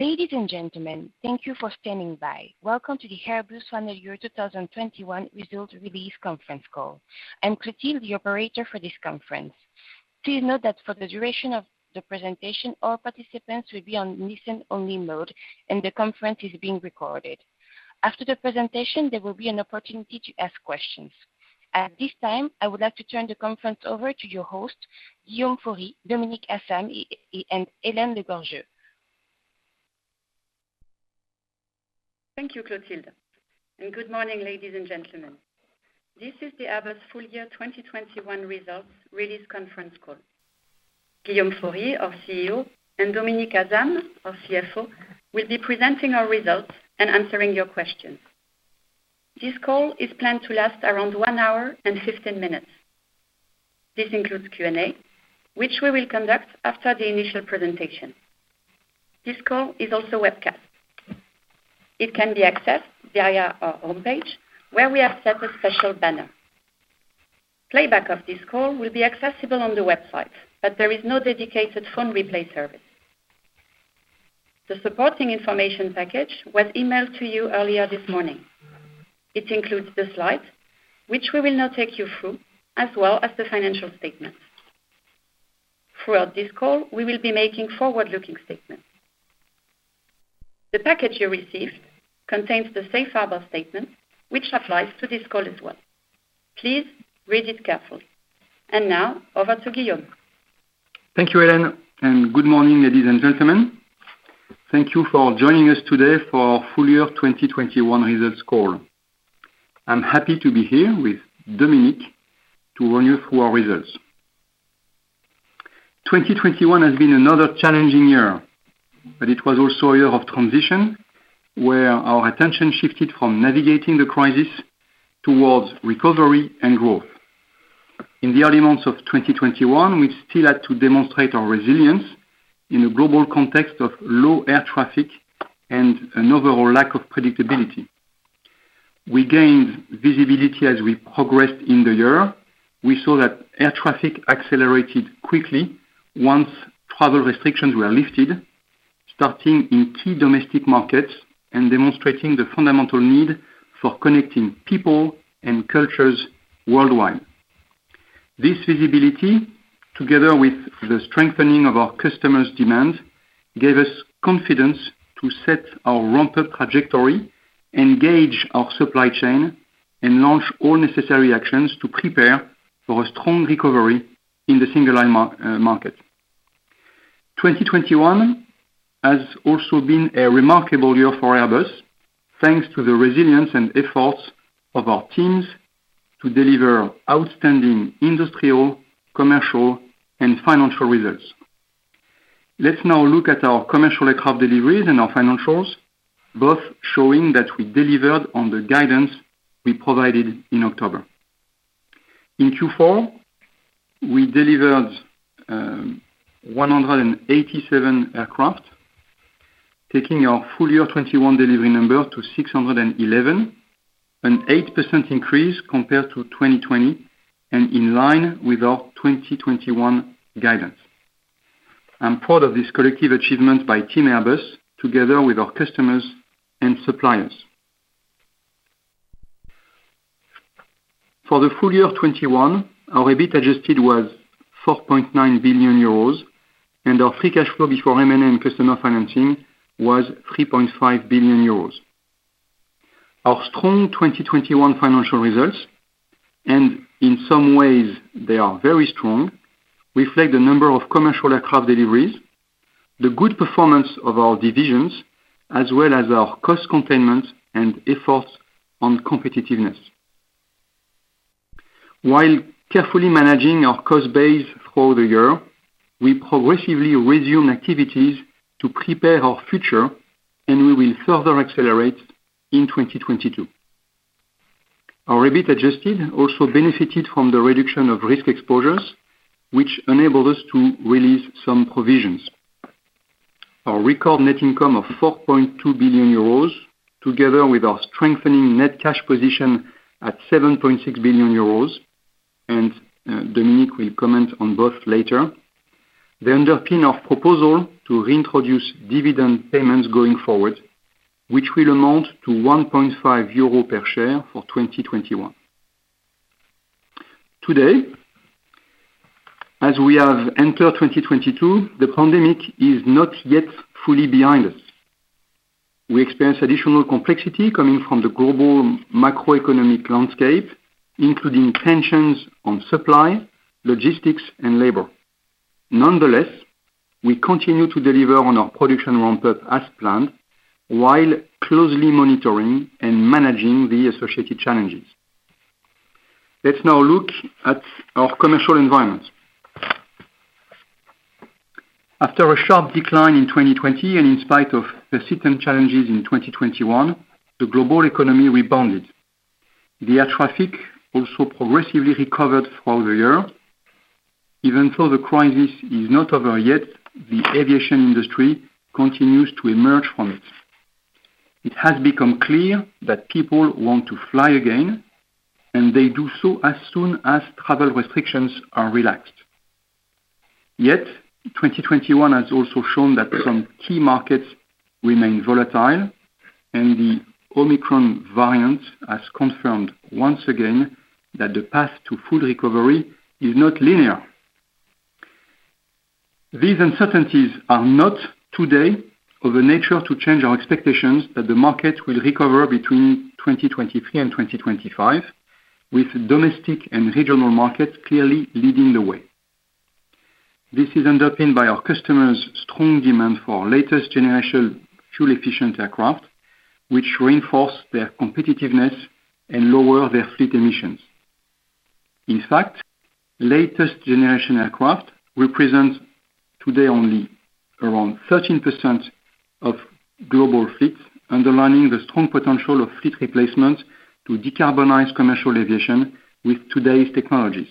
Ladies and gentlemen, thank you for standing by. Welcome to the Airbus Full Year 2021 Results Release Conference Call. I'm Clotilde, the operator for this conference. Please note that for the duration of the presentation, all participants will be on listen-only mode, and the conference is being recorded. After the presentation, there will be an opportunity to ask questions. At this time, I would like to turn the conference over to your host, Guillaume Faury, Dominik Asam, and Hélène Le Gorgeu. Thank you, Clotilde, and good morning, ladies and gentlemen. This is the Airbus Full Year 2021 Results Release Conference Call. Guillaume Faury, our CEO, and Dominik Asam, our CFO, will be presenting our results and answering your questions. This call is planned to last around one hour and 15 minutes. This includes Q&A, which we will conduct after the initial presentation. This call is also webcast. It can be accessed via our homepage, where we have set a special banner. Playback of this call will be accessible on the website, but there is no dedicated phone replay service. The supporting information package was emailed to you earlier this morning. It includes the slides, which we will now take you through, as well as the financial statements. Throughout this call, we will be making forward-looking statements. The package you received contains the safe harbor statement, which applies to this call as well. Please read it carefully. Now, over to Guillaume. Thank you, Hélène, and good morning, ladies and gentlemen. Thank you for joining us today for our Full Year 2021 Results Call. I'm happy to be here with Dominik to run you through our results. 2021 has been another challenging year, but it was also a year of transition, where our attention shifted from navigating the crisis towards recovery and growth. In the early months of 2021, we still had to demonstrate our resilience in a global context of low air traffic and an overall lack of predictability. We gained visibility as we progressed in the year. We saw that air traffic accelerated quickly once travel restrictions were lifted, starting in key domestic markets and demonstrating the fundamental need for connecting people and cultures worldwide. This visibility, together with the strengthening of our customers' demand, gave us confidence to set our ramp-up trajectory, engage our supply chain, and launch all necessary actions to prepare for a strong recovery in the single aisle market. 2021 has also been a remarkable year for Airbus, thanks to the resilience and efforts of our teams to deliver outstanding industrial, commercial, and financial results. Let's now look at our commercial aircraft deliveries and our financials, both showing that we delivered on the guidance we provided in October. In Q4, we delivered 187 aircraft, taking our full year 2021 delivery number to 611, an 8% increase compared to 2020 and in line with our 2021 guidance. I'm proud of this collective achievement by Team Airbus together with our customers and suppliers. For the full year of 2021, our EBIT adjusted was 4.9 billion euros, and our free cash flow before M&A customer financing was 3.5 billion euros. Our strong 2021 financial results, and in some ways they are very strong, reflect the number of commercial aircraft deliveries, the good performance of our divisions, as well as our cost containment and efforts on competitiveness. While carefully managing our cost base for the year, we progressively resumed activities to prepare our future, and we will further accelerate in 2022. Our EBIT adjusted also benefited from the reduction of risk exposures, which enabled us to release some provisions. Our record net income of 4.2 billion euros, together with our strengthening net cash position at 7.6 billion euros, and, Dominik will comment on both later, they underpin our proposal to reintroduce dividend payments going forward, which will amount to 1.5 euro per share for 2021. Today, as we have entered 2022, the pandemic is not yet fully behind us. We experience additional complexity coming from the global macroeconomic landscape, including tensions on supply, logistics, and labor. Nonetheless, we continue to deliver on our production ramp-up as planned while closely monitoring and managing the associated challenges. Let's now look at our commercial environment. After a sharp decline in 2020 and in spite of persistent challenges in 2021, the global economy rebounded. The air traffic also progressively recovered throughout the year. Even though the crisis is not over yet, the aviation industry continues to emerge from it. It has become clear that people want to fly again, and they do so as soon as travel restrictions are relaxed. Yet, 2021 has also shown that some key markets remain volatile, and the Omicron variant has confirmed once again that the path to full recovery is not linear. These uncertainties are not today of a nature to change our expectations that the market will recover between 2023 and 2025, with domestic and regional markets clearly leading the way. This is underpinned by our customers' strong demand for latest generation fuel-efficient aircraft, which reinforce their competitiveness and lower their fleet emissions. In fact, latest generation aircraft represent today only around 13% of global fleet, underlining the strong potential of fleet replacement to decarbonize commercial aviation with today's technologies.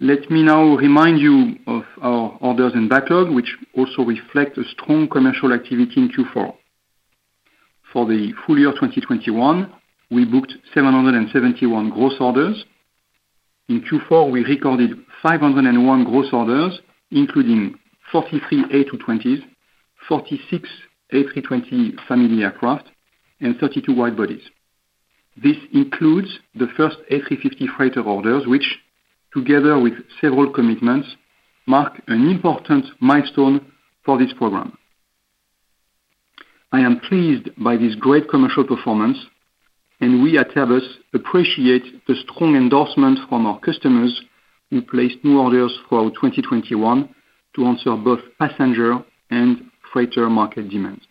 Let me now remind you of our orders and backlog, which also reflect a strong commercial activity in Q4. For the full year 2021, we booked 771 gross orders. In Q4, we recorded 501 gross orders, including 43 A220s, 46 A320 family aircraft, and 32 wide-bodies. This includes the first A350 freighter orders, which together with several commitments, mark an important milestone for this program. I am pleased by this great commercial performance, and we at Airbus appreciate the strong endorsement from our customers who placed new orders for 2021 to answer both passenger and freighter market demands.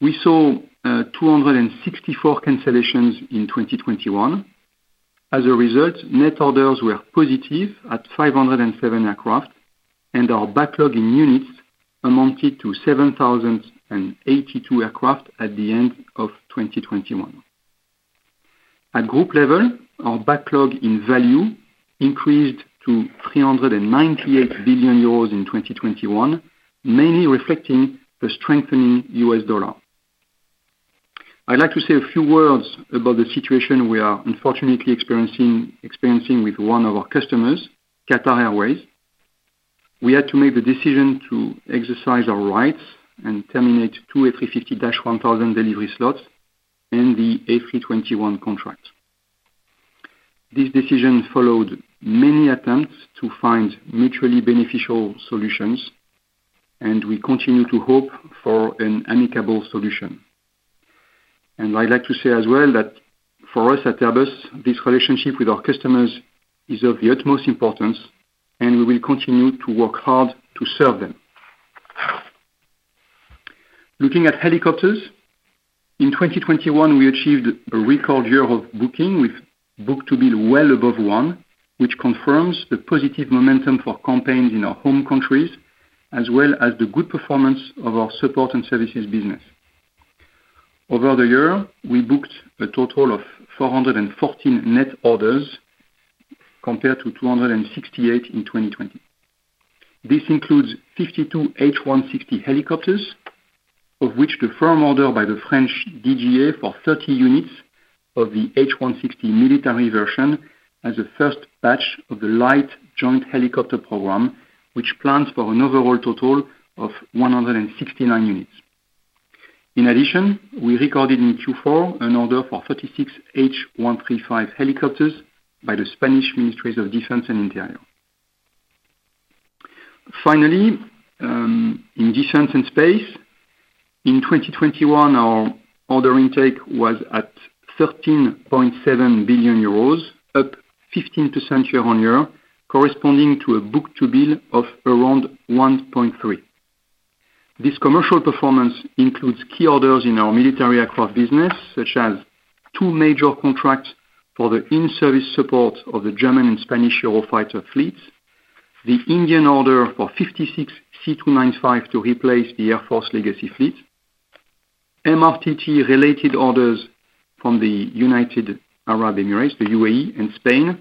We saw 264 cancellations in 2021. As a result, net orders were positive at 507 aircraft, and our backlog in units amounted to 7,082 aircraft at the end of 2021. At group level, our backlog in value increased to 398 billion euros in 2021, mainly reflecting the strengthening US dollar. I'd like to say a few words about the situation we are unfortunately experiencing with one of our customers, Qatar Airways. We had to make the decision to exercise our rights and terminate two A350-1000 delivery slots in the A321 contract. This decision followed many attempts to find mutually beneficial solutions, and we continue to hope for an amicable solution. I'd like to say as well that for us at Airbus, this relationship with our customers is of the utmost importance, and we will continue to work hard to serve them. Looking at helicopters. In 2021, we achieved a record year of booking with book-to-bill well above one, which confirms the positive momentum for campaigns in our home countries, as well as the good performance of our support and services business. Over the year, we booked a total of 414 net orders compared to 268 in 2020. This includes 52 H160 helicopters, of which the firm order by the French DGA for 30 units of the H160 military version as a first batch of the Light Joint Helicopter program, which plans for an overall total of 169 units. In addition, we recorded in Q4 an order for 36 H135 helicopters by the Spanish Ministries of Defense and Interior. Finally, in defense and space, in 2021, our order intake was at 13.7 billion euros, up 15% year-over-year, corresponding to a book-to-bill of around 1.3. This commercial performance includes key orders in our military aircraft business, such as two major contracts for the in-service support of the German and Spanish Eurofighter fleets, the Indian order for 56 C295 to replace the Air Force legacy fleet, MRTT-related orders from the United Arab Emirates, the UAE, and Spain,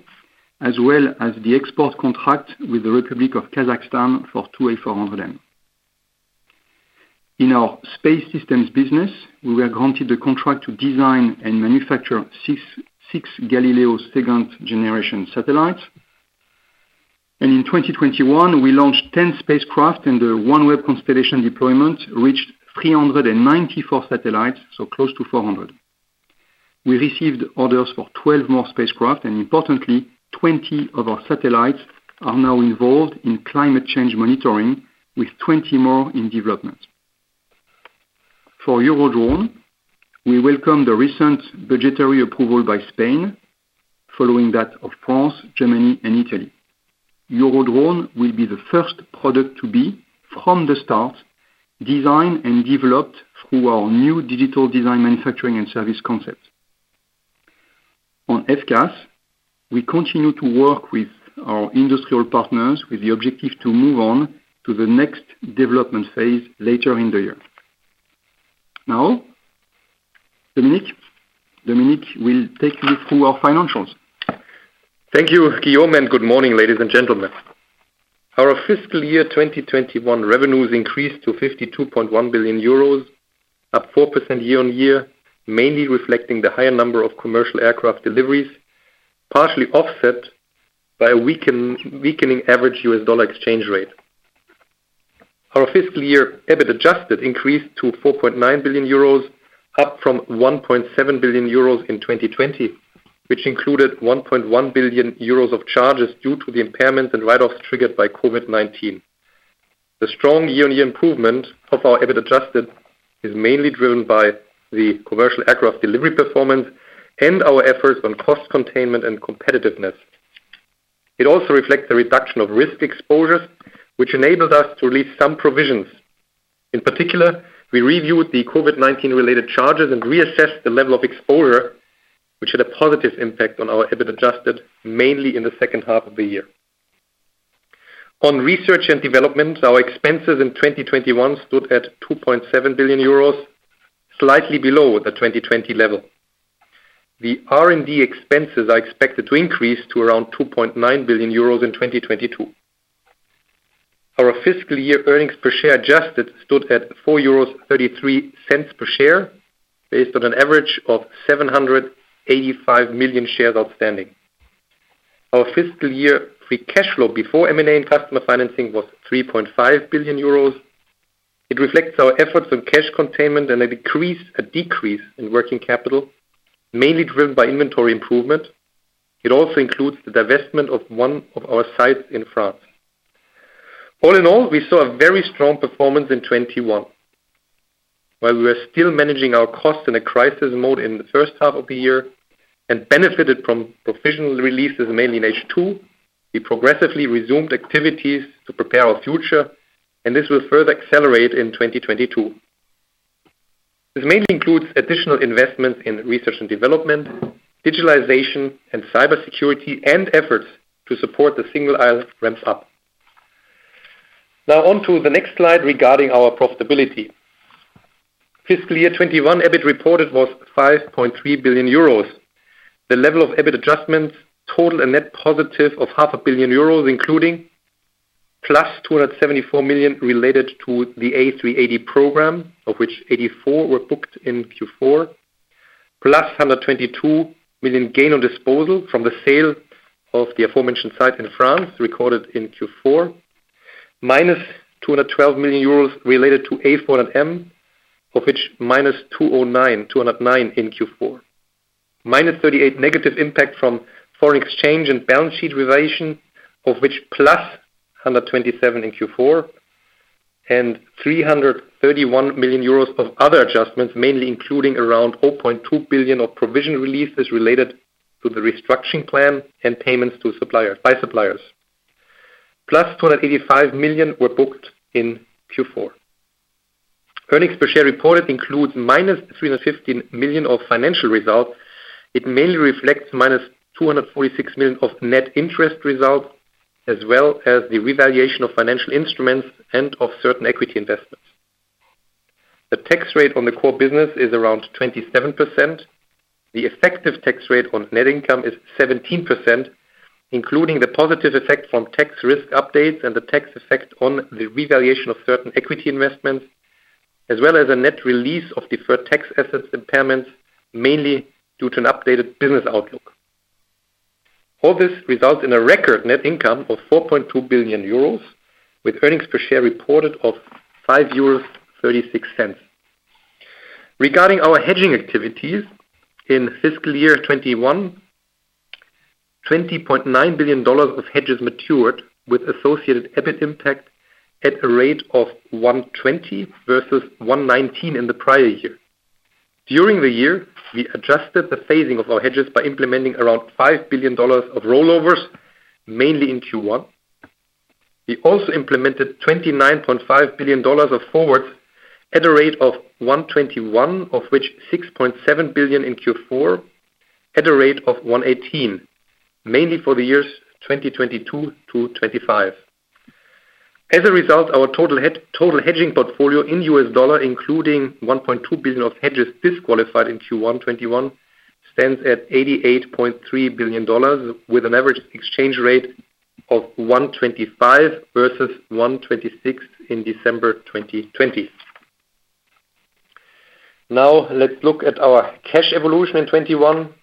as well as the export contract with the Republic of Kazakhstan for two A400M. In our space systems business, we were granted a contract to design and manufacture six Galileo second-generation satellites. In 2021, we launched 10 spacecraft, and the OneWeb constellation deployment reached 394 satellites, so close to 400. We received orders for 12 more spacecraft, and importantly, 20 of our satellites are now involved in climate change monitoring, with 20 more in development. For Eurodrone, we welcome the recent budgetary approval by Spain following that of France, Germany, and Italy. Eurodrone will be the first product to be, from the start, designed and developed through our new digital design manufacturing and service concept. On FCAS, we continue to work with our industrial partners with the objective to move on to the next development phase later in the year. Now, Dominik. Dominik will take you through our financials. Thank you, Guillaume, and good morning, ladies and gentlemen. Our FY 2021 revenues increased to 52.1 billion euros, up 4% year-on-year, mainly reflecting the higher number of commercial aircraft deliveries, partially offset by a weakening average US dollar exchange rate. Our FY EBIT adjusted increased to 4.9 billion euros, up from 1.7 billion euros in 2020, which included 1.1 billion euros of charges due to the impairment and write-offs triggered by COVID-19. The strong year-on-year improvement of our EBIT adjusted is mainly driven by the commercial aircraft delivery performance and our efforts on cost containment and competitiveness. It also reflects the reduction of risk exposures, which enabled us to release some provisions. In particular, we reviewed the COVID-19 related charges and reassessed the level of exposure, which had a positive impact on our EBIT adjusted mainly in the H2 of the year. On research and development, our expenses in 2021 stood at 2.7 billion euros, slightly below the 2020 level. The R&D expenses are expected to increase to around 2.9 billion euros in 2022. Our FY earnings per share adjusted stood at 4.33 euros per share, based on an average of 785 million shares outstanding. Our FY free cash flow before M&A and customer financing was 3.5 billion euros. It reflects our efforts on cash containment and a decrease in working capital, mainly driven by inventory improvement. It also includes the divestment of one of our sites in France. All in all, we saw a very strong performance in 2021. While we were still managing our costs in a crisis mode in the H1 of the year and benefited from provisional releases mainly in H2, we progressively resumed activities to prepare our future, and this will further accelerate in 2022. This mainly includes additional investment in research and development, digitalization and cybersecurity and efforts to support the single aisle ramps up. Now on to the next slide regarding our profitability. FY 2021 EBIT reported was 5.3 billion euros. The level of EBIT adjustments total a net positive of 500 million euros, including +274 million related to the A380 program, of which 84 million were booked in Q4, +122 million gain on disposal from the sale of the aforementioned site in France recorded in Q4, -212 million euros related to A400M, of which -209 million in Q4. -38 million negative impact from foreign exchange and balance sheet revaluation, of which +127 million in Q4, and 331 million euros of other adjustments, mainly including around 4.2 billion of provision releases related to the restructuring plan and payments to supplier, by suppliers. +285 million were booked in Q4. Earnings per share reported includes -315 million of financial results. It mainly reflects -246 million of net interest results, as well as the revaluation of financial instruments and of certain equity investments. The tax rate on the core business is around 27%. The effective tax rate on net income is 17%, including the positive effect from tax risk updates and the tax effect on the revaluation of certain equity investments, as well as a net release of deferred tax assets impairments, mainly due to an updated business outlook. All this results in a record net income of 4.2 billion euros with earnings per share reported of 5.36 euros. Regarding our hedging activities in FY 2021, $20.9 billion of hedges matured with associated EBIT impact at a rate of 1.20 versus 1.19 in the prior year. During the year, we adjusted the phasing of our hedges by implementing around $5 billion of rollovers, mainly in Q1. We also implemented $29.5 billion of forwards at a rate of 1.21, of which $6.7 billion in Q4 at a rate of 1.18, mainly for the years 2022-2025. As a result, our total hedging portfolio in US dollar, including $1.2 billion of hedges disqualified in Q1 2021, stands at $88.3 billion with an average exchange rate of 1.25 versus 1.26 in December 2020. Now let's look at our cash evolution in 2021.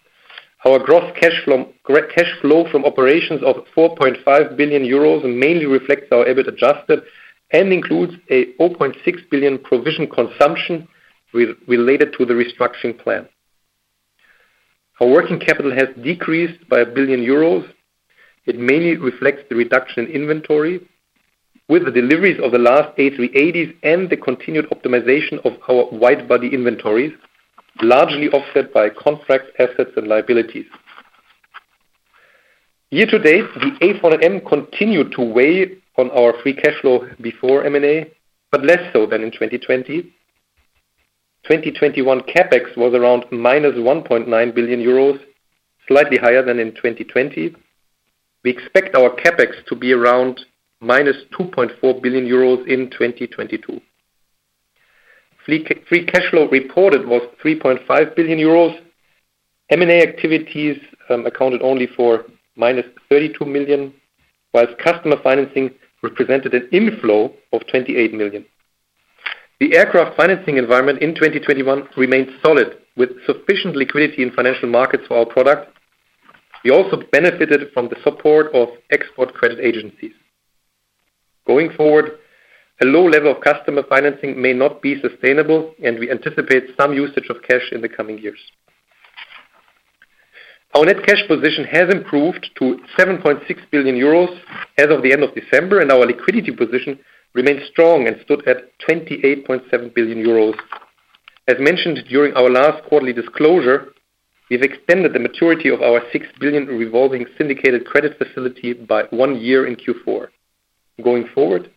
Our gross cash flow from operations of 4.5 billion euros mainly reflects our EBIT adjusted and includes a 4.6 billion provision consumption related to the restructuring plan. Our working capital has decreased by 1 billion euros. It mainly reflects the reduction in inventory with the deliveries of the last A380s and the continued optimization of our wide-body inventories, largely offset by contract assets and liabilities. Year to date, the A400M continued to weigh on our free cash flow before M&A, but less so than in 2020. 2021 CapEx was around -1.9 billion euros, slightly higher than in 2020. We expect our CapEx to be around -2.4 billion euros in 2022. Free cash flow reported was 3.5 billion euros. M&A activities accounted only for -32 million, while customer financing represented an inflow of 28 million. The aircraft financing environment in 2021 remained solid, with sufficient liquidity in financial markets for our product. We also benefited from the support of export credit agencies. Going forward, a low level of customer financing may not be sustainable, and we anticipate some usage of cash in the coming years. Our net cash position has improved to 7.6 billion euros as of the end of December, and our liquidity position remains strong and stood at 28.7 billion euros. As mentioned during our last quarterly disclosure, we've extended the maturity of our 6 billion revolving syndicated credit facility by one year in Q4. Going forward,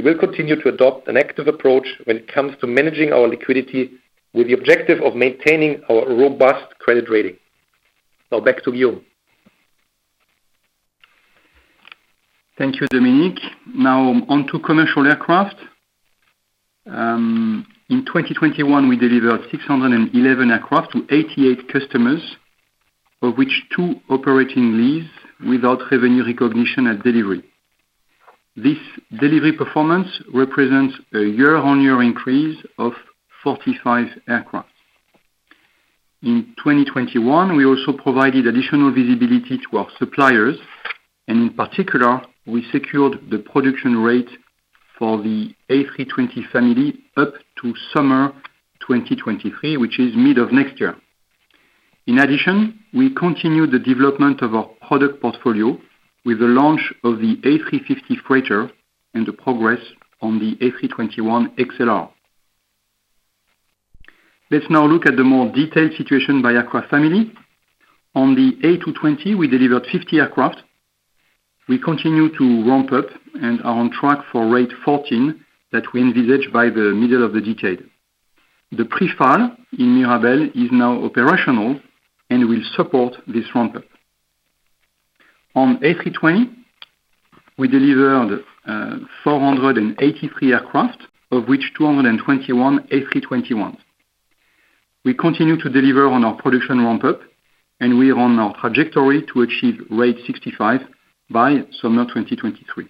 we will continue to adopt an active approach when it comes to managing our liquidity with the objective of maintaining our robust credit rating. Now back to Guillaume. Thank you, Dominik. Now on to commercial aircraft. In 2021, we delivered 611 aircraft to 88 customers, of which two operating lease without revenue recognition at delivery. This delivery performance represents a year-on-year increase of 45 aircraft. In 2021, we also provided additional visibility to our suppliers, and in particular, we secured the production rate for the A320 family up to summer 2023, which is mid of next year. In addition, we continued the development of our product portfolio with the launch of the A350 Freighter and the progress on the A321XLR. Let's now look at the more detailed situation by aircraft family. On the A220, we delivered 50 aircraft. We continue to ramp up and are on track for rate 14 that we envisage by the middle of the decade. The pre-FAL in Mirabel is now operational and will support this ramp-up. On A320, we delivered 483 aircraft, of which 221 A321s. We continue to deliver on our production ramp-up, and we are on our trajectory to achieve rate 65 by summer 2023.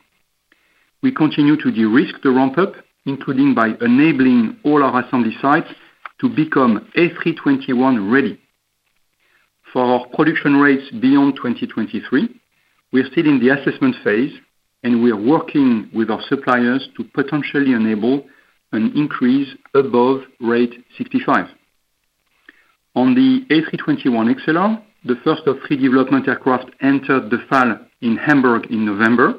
We continue to de-risk the ramp-up, including by enabling all our assembly sites to become A321 ready. For our production rates beyond 2023, we are still in the assessment phase, and we are working with our suppliers to potentially enable an increase above rate 65. On the A321XLR, the first of three development aircraft entered the FAL in Hamburg in November.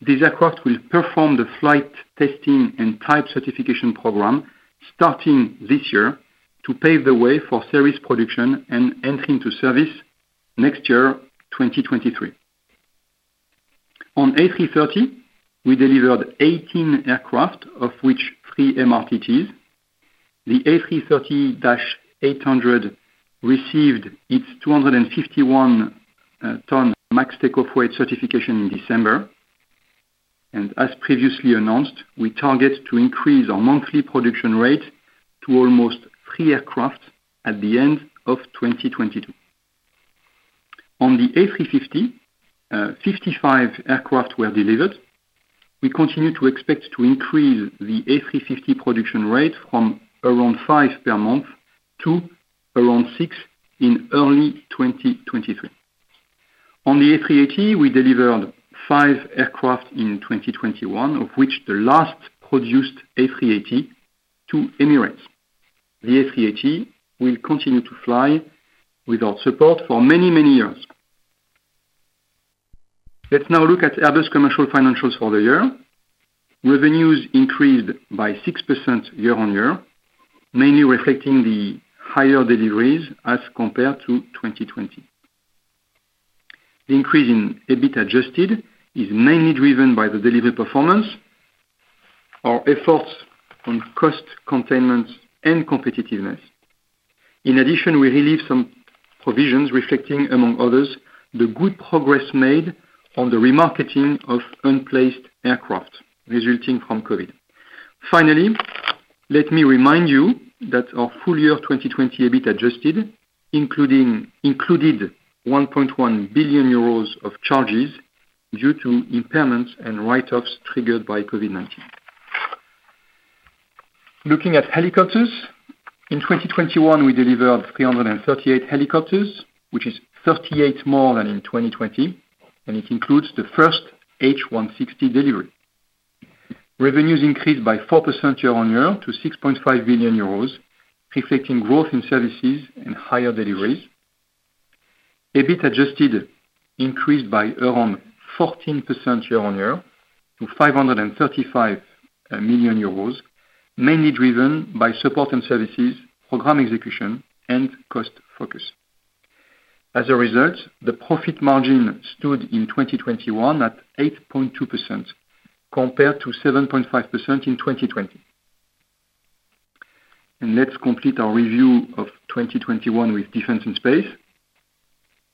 These aircraft will perform the flight testing and type certification program starting this year to pave the way for series production and entering service next year, 2023. On A330, we delivered 18 aircraft, of which three MRTTs. The A330-800 received its 251-ton max take-off weight certification in December. As previously announced, we target to increase our monthly production rate to almost three aircraft at the end of 2022. On the A350, 55 aircraft were delivered. We continue to expect to increase the A350 production rate from around five per month to around six in early 2023. On the A380, we delivered five aircraft in 2021, of which the last produced A380 to Emirates. The A380 will continue to fly with our support for many, many years. Let's now look at Airbus commercial financials for the year. Revenues increased by 6% year-on-year, mainly reflecting the higher deliveries as compared to 2020. The increase in EBIT adjusted is mainly driven by the delivery performance, our efforts on cost containment and competitiveness. In addition, we relieved some provisions reflecting, among others, the good progress made on the remarketing of unplaced aircraft resulting from COVID. Finally, let me remind you that our full year of 2020 EBIT adjusted included 1.1 billion euros of charges due to impairments and write-offs triggered by COVID-19. Looking at helicopters, in 2021, we delivered 338 helicopters, which is 38 more than in 2020, and it includes the first H160 delivery. Revenues increased by 4% year-on-year to 6.5 billion euros, reflecting growth in services and higher deliveries. EBIT adjusted increased by around 14% year-on-year to 535 million euros, mainly driven by support and services, program execution, and cost focus. As a result, the profit margin stood in 2021 at 8.2% compared to 7.5% in 2020. Let's complete our review of 2021 with defense and space.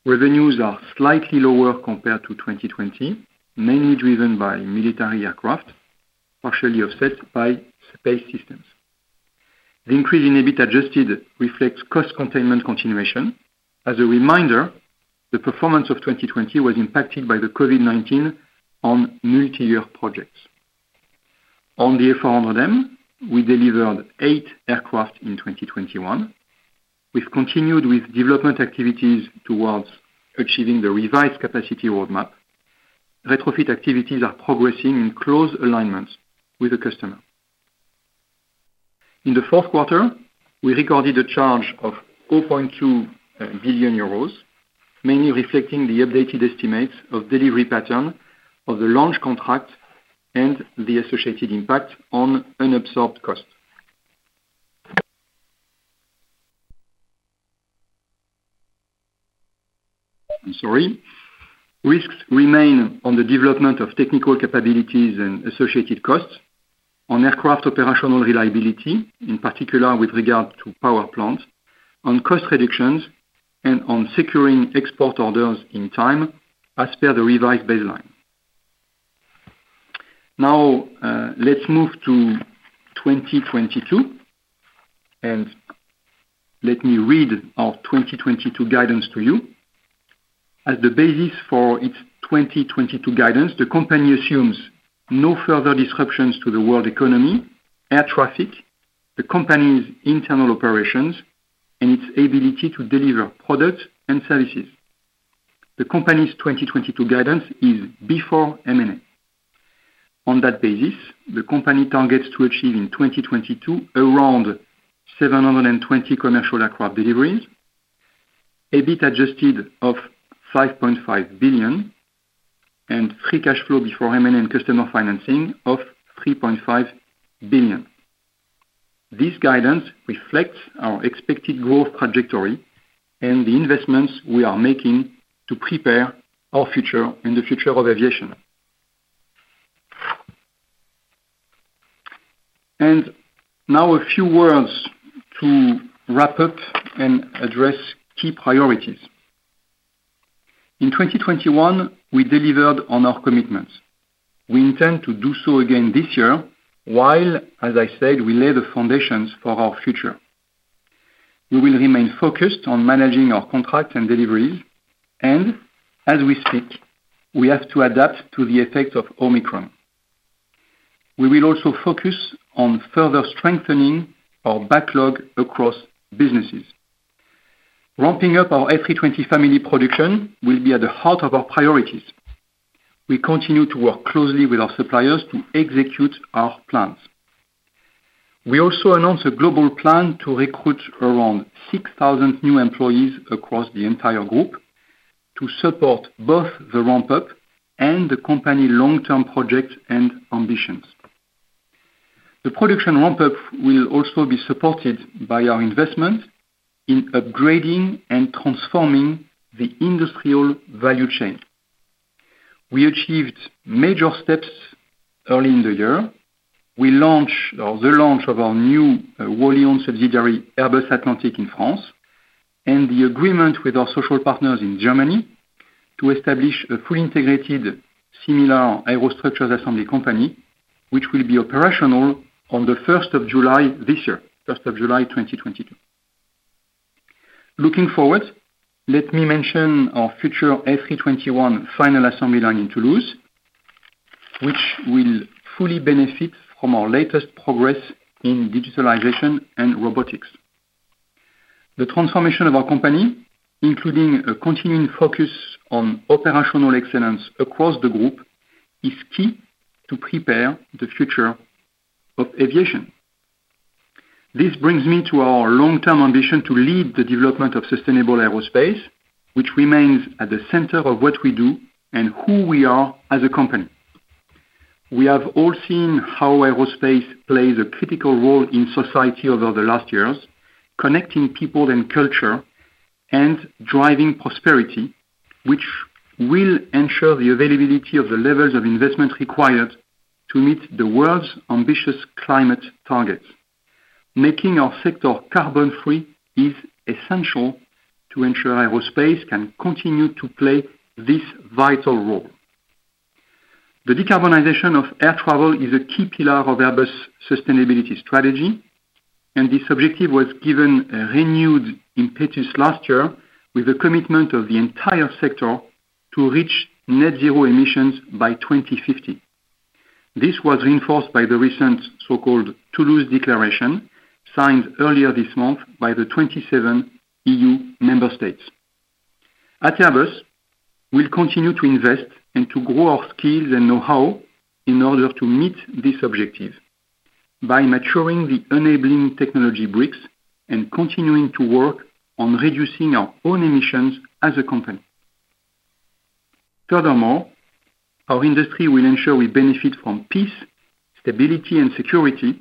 Revenues are slightly lower compared to 2020, mainly driven by military aircraft, partially offset by space systems. The increase in EBIT adjusted reflects cost containment continuation. As a reminder, the performance of 2020 was impacted by COVID-19 on multi-year projects. On the A400M, we delivered eight aircraft in 2021. We've continued with development activities towards achieving the revised capacity roadmap. Retrofit activities are progressing in close alignment with the customer. In the fourth quarter, we recorded a charge of 4.2 billion euros, mainly reflecting the updated estimates of delivery pattern of the launch contract and the associated impact on unabsorbed costs. I'm sorry. Risks remain on the development of technical capabilities and associated costs on aircraft operational reliability, in particular with regard to power plants, on cost reductions, and on securing export orders in time as per the revised baseline. Now, let's move to 2022, and let me read our 2022 guidance to you. As the basis for its 2022 guidance, the company assumes no further disruptions to the world economy, air traffic, the company's internal operations, and its ability to deliver products and services. The company's 2022 guidance is before M&A. On that basis, the company targets to achieve in 2022 around 720 commercial aircraft deliveries, EBIT adjusted of 5.5 billion, and free cash flow before M&A and customer financing of 3.5 billion. This guidance reflects our expected growth trajectory and the investments we are making to prepare our future and the future of aviation. Now a few words to wrap up and address key priorities. In 2021, we delivered on our commitments. We intend to do so again this year, while, as I said, we lay the foundations for our future. We will remain focused on managing our contracts and deliveries, and as we speak, we have to adapt to the effect of Omicron. We will also focus on further strengthening our backlog across businesses. Ramping up our A320 family production will be at the heart of our priorities. We continue to work closely with our suppliers to execute our plans. We also announced a global plan to recruit around 6,000 new employees across the entire group to support both the ramp-up and the company long-term projects and ambitions. The production ramp-up will also be supported by our investment in upgrading and transforming the industrial value chain. We achieved major steps early in the year. The launch of our new wholly-owned subsidiary, Airbus Atlantic in France, and the agreement with our social partners in Germany to establish a fully integrated, similar aerostructures assembly company, which will be operational on the first of July 2022. Looking forward, let me mention our future A321 final assembly line in Toulouse, which will fully benefit from our latest progress in digitalization and robotics. The transformation of our company, including a continuing focus on operational excellence across the group, is key to prepare the future of aviation. This brings me to our long-term ambition to lead the development of sustainable aerospace, which remains at the center of what we do and who we are as a company. We have all seen how aerospace plays a critical role in society over the last years, connecting people and culture and driving prosperity, which will ensure the availability of the levels of investment required to meet the world's ambitious climate targets. Making our sector carbon-free is essential to ensure aerospace can continue to play this vital role. The decarbonization of air travel is a key pillar of Airbus sustainability strategy, and this objective was given a renewed impetus last year with the commitment of the entire sector to reach Net-zero emissions by 2050. This was reinforced by the recent so-called Toulouse Declaration, signed earlier this month by the 27 EU member states. At Airbus, we'll continue to invest and to grow our skills and know-how in order to meet this objective by maturing the enabling technology bricks and continuing to work on reducing our own emissions as a company. Furthermore, our industry will ensure we benefit from peace, stability, and security,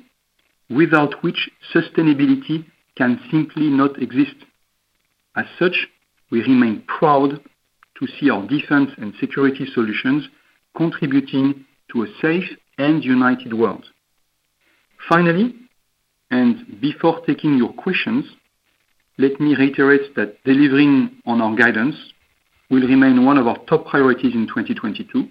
without which sustainability can simply not exist. As such, we remain proud to see our defense and security solutions contributing to a safe and united world. Finally, and before taking your questions, let me reiterate that delivering on our guidance will remain one of our top priorities in 2022.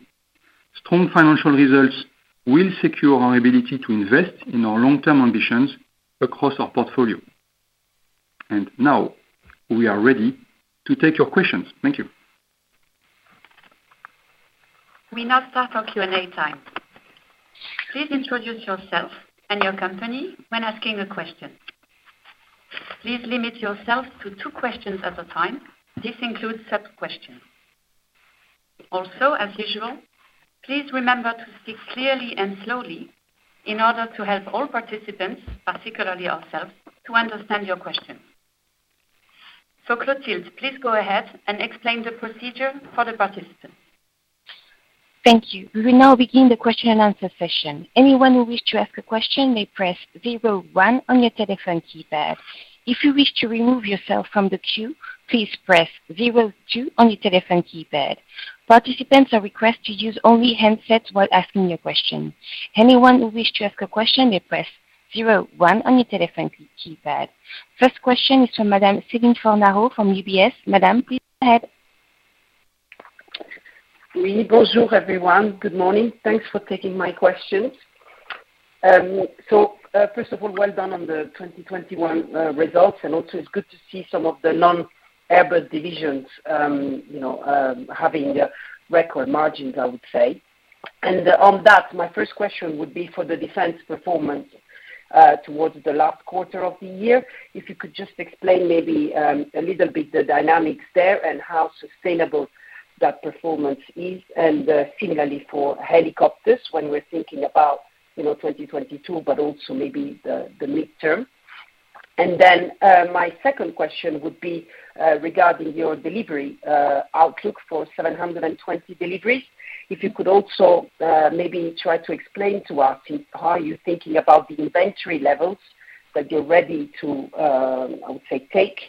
Strong financial results will secure our ability to invest in our long-term ambitions across our portfolio. Now we are ready to take your questions. Thank you. We now start our Q&A time. Please introduce yourself and your company when asking a question. Please limit yourself to two questions at a time. This includes sub-questions. Also, as usual, please remember to speak clearly and slowly in order to help all participants, particularly ourselves, to understand your question. Clotilde, please go ahead and explain the procedure for the participants. Thank you. We will now begin the question and answer session. Anyone who wish to ask a question may press zero one on your telephone keypad. If you wish to remove yourself from the queue, please press zero two on your telephone keypad. Participants are requested to use only handsets while asking your question. Anyone who wish to ask a question, they press zero one on your telephone keypad. First question is from Madame Celine Fornaro from UBS. Madame, please go ahead. Oui, bonjour, everyone. Good morning. Thanks for taking my questions. First of all, well done on the 2021 results, and also it's good to see some of the non-Airbus divisions, you know, having record margins, I would say. On that, my first question would be for the defense performance towards the last quarter of the year. If you could just explain maybe a little bit the dynamics there and how sustainable that performance is. Similarly for helicopters when we're thinking about, you know, 2022, but also maybe the midterm. Then, my second question would be regarding your delivery outlook for 720 deliveries. If you could also, maybe try to explain to us how are you thinking about the inventory levels that you're ready to, I would say, take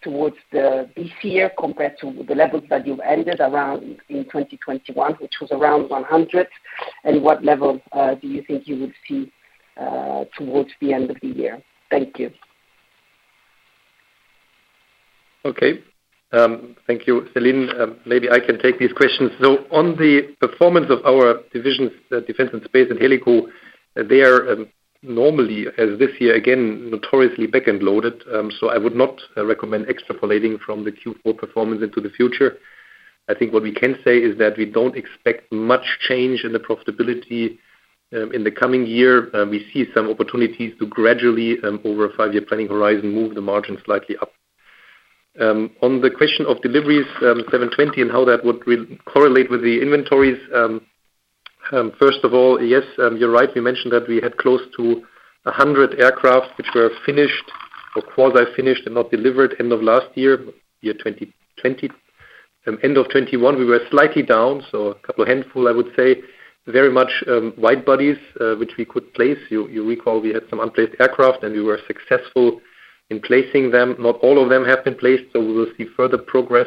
towards this year compared to the levels that you ended around in 2021, which was around 100. What level do you think you would see towards the end of the year? Thank you. Thank you, Celine. Maybe I can take these questions. On the performance of our divisions, Defense and Space and Helico, they are normally, as this year again, notoriously back-end loaded. I would not recommend extrapolating from the Q4 performance into the future. I think what we can say is that we don't expect much change in the profitability in the coming year. We see some opportunities to gradually over a five-year planning horizon, move the margin slightly up. On the question of deliveries, 720 and how that would reconcile with the inventories. First of all, yes, you're right. We mentioned that we had close to 100 aircraft which were finished or quasi-finished and not delivered end of last year 2020. End of 2021, we were slightly down, so a couple handful, I would say. Very much wide bodies which we could place. You recall we had some unplaced aircraft and we were successful in placing them. Not all of them have been placed, so we will see further progress.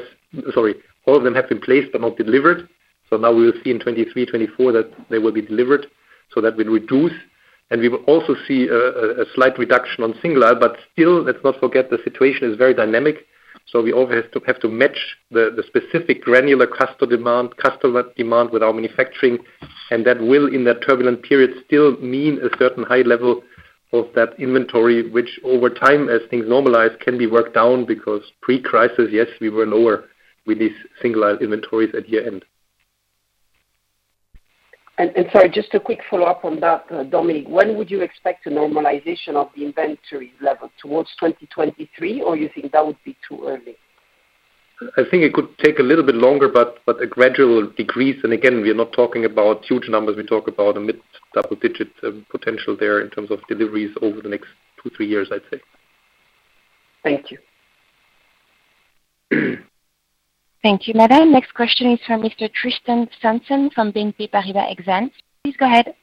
Sorry, all of them have been placed but not delivered. Now we will see in 2023, 2024 that they will be delivered. That will reduce. We will also see a slight reduction on single-aisle. Still, let's not forget the situation is very dynamic. We always have to match the specific granular customer demand with our manufacturing. that will, in that turbulent period, still mean a certain high level of that inventory, which over time, as things normalize, can be worked down because pre-crisis, yes, we were lower with these singular inventories at year-end. Sorry, just a quick follow-up on that, Dominik. When would you expect a normalization of the inventory level? Towards 2023, or you think that would be too early? I think it could take a little bit longer, but a gradual decrease. Again, we are not talking about huge numbers. We talk about a mid-double-digit potential there in terms of deliveries over the next two to three years, I'd say. Thank you. Thank you, Madame. Next question is from Mr. Tristan Sanson from BNP Paribas Exane. Please go ahead.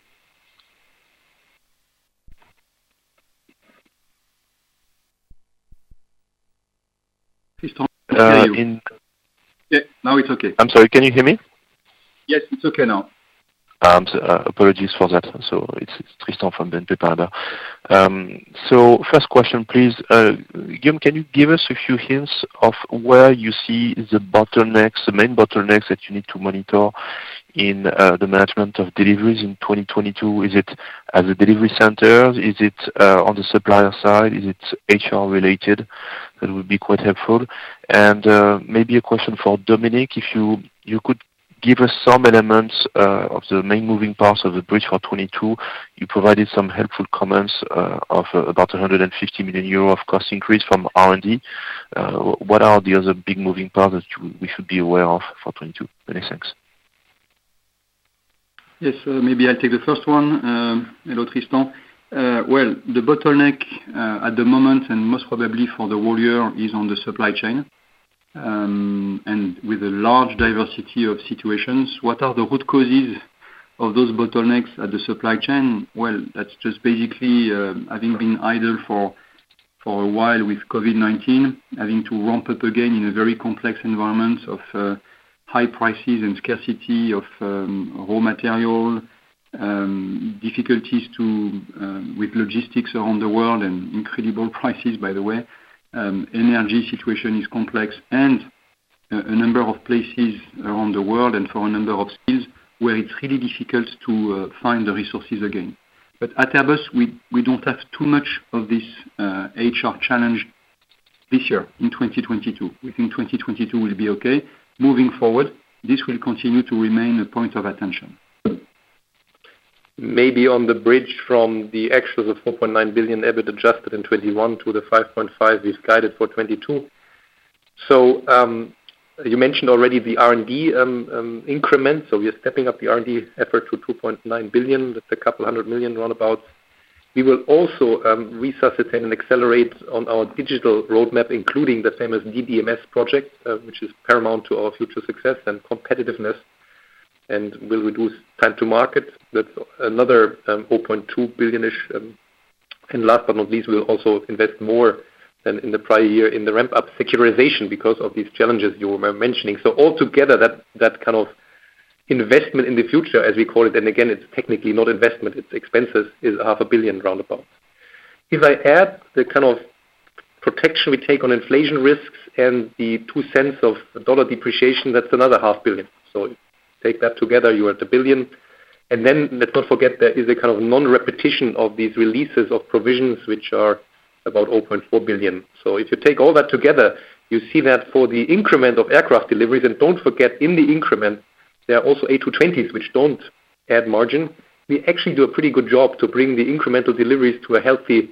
Tristan, can I hear you? Yeah, now it's okay. I'm sorry. Can you hear me? Yes, it's okay now. Apologies for that. It's Tristan from BNP Paribas. First question, please. Guillaume, can you give us a few hints of where you see the bottlenecks, the main bottlenecks that you need to monitor in the management of deliveries in 2022? Is it at the delivery centers? Is it on the supplier side? Is it HR related? That would be quite helpful. Maybe a question for Dominik. If you could give us some elements of the main moving parts of the bridge for 2022. You provided some helpful comments of about 150 million euro of cost increase from R&D. What are the other big moving parts that we should be aware of for 2022? Many thanks. Yes. Maybe I'll take the first one. Hello, Tristan. Well, the bottleneck at the moment, and most probably for the whole year, is on the supply chain, and with a large diversity of situations. What are the root causes of those bottlenecks at the supply chain? Well, that's just basically having been idle for a while with COVID-19, having to ramp up again in a very complex environment of high prices and scarcity of raw material, difficulties with logistics around the world and incredible prices, by the way. Energy situation is complex in a number of places around the world and for a number of skills where it's really difficult to find the resources again. At Airbus, we don't have too much of this HR challenge this year in 2022. We think 2022 will be okay. Moving forward, this will continue to remain a point of attention. Maybe on the bridge from the actuals of 4.9 billion EBIT adjusted in 2021 to the 5.5 billion we've guided for 2022. You mentioned already the R&D increments. We are stepping up the R&D effort to 2.9 billion. That's a couple hundred million round about. We will also resuscitate and accelerate on our digital roadmap, including the famous DDMS project, which is paramount to our future success and competitiveness, and will reduce time to market. That's another 4.2 billion-ish. Last but not least, we'll also invest more than in the prior year in the ramp up securitization because of these challenges you were mentioning. All together, that kind of investment in the future, as we call it, and again, it's technically not investment, it's expenses, is half a billion round about. If I add the kind of protection we take on inflation risks and the $0.02 dollar depreciation, that's another EUR half billion. Take that together, you're at 1 billion. Let's not forget there is a kind of non-repetition of these releases of provisions which are about 4 billion. If you take all that together, you see that for the increment of aircraft deliveries, and don't forget in the increment, there are also A220s which don't add margin. We actually do a pretty good job to bring the incremental deliveries to a healthy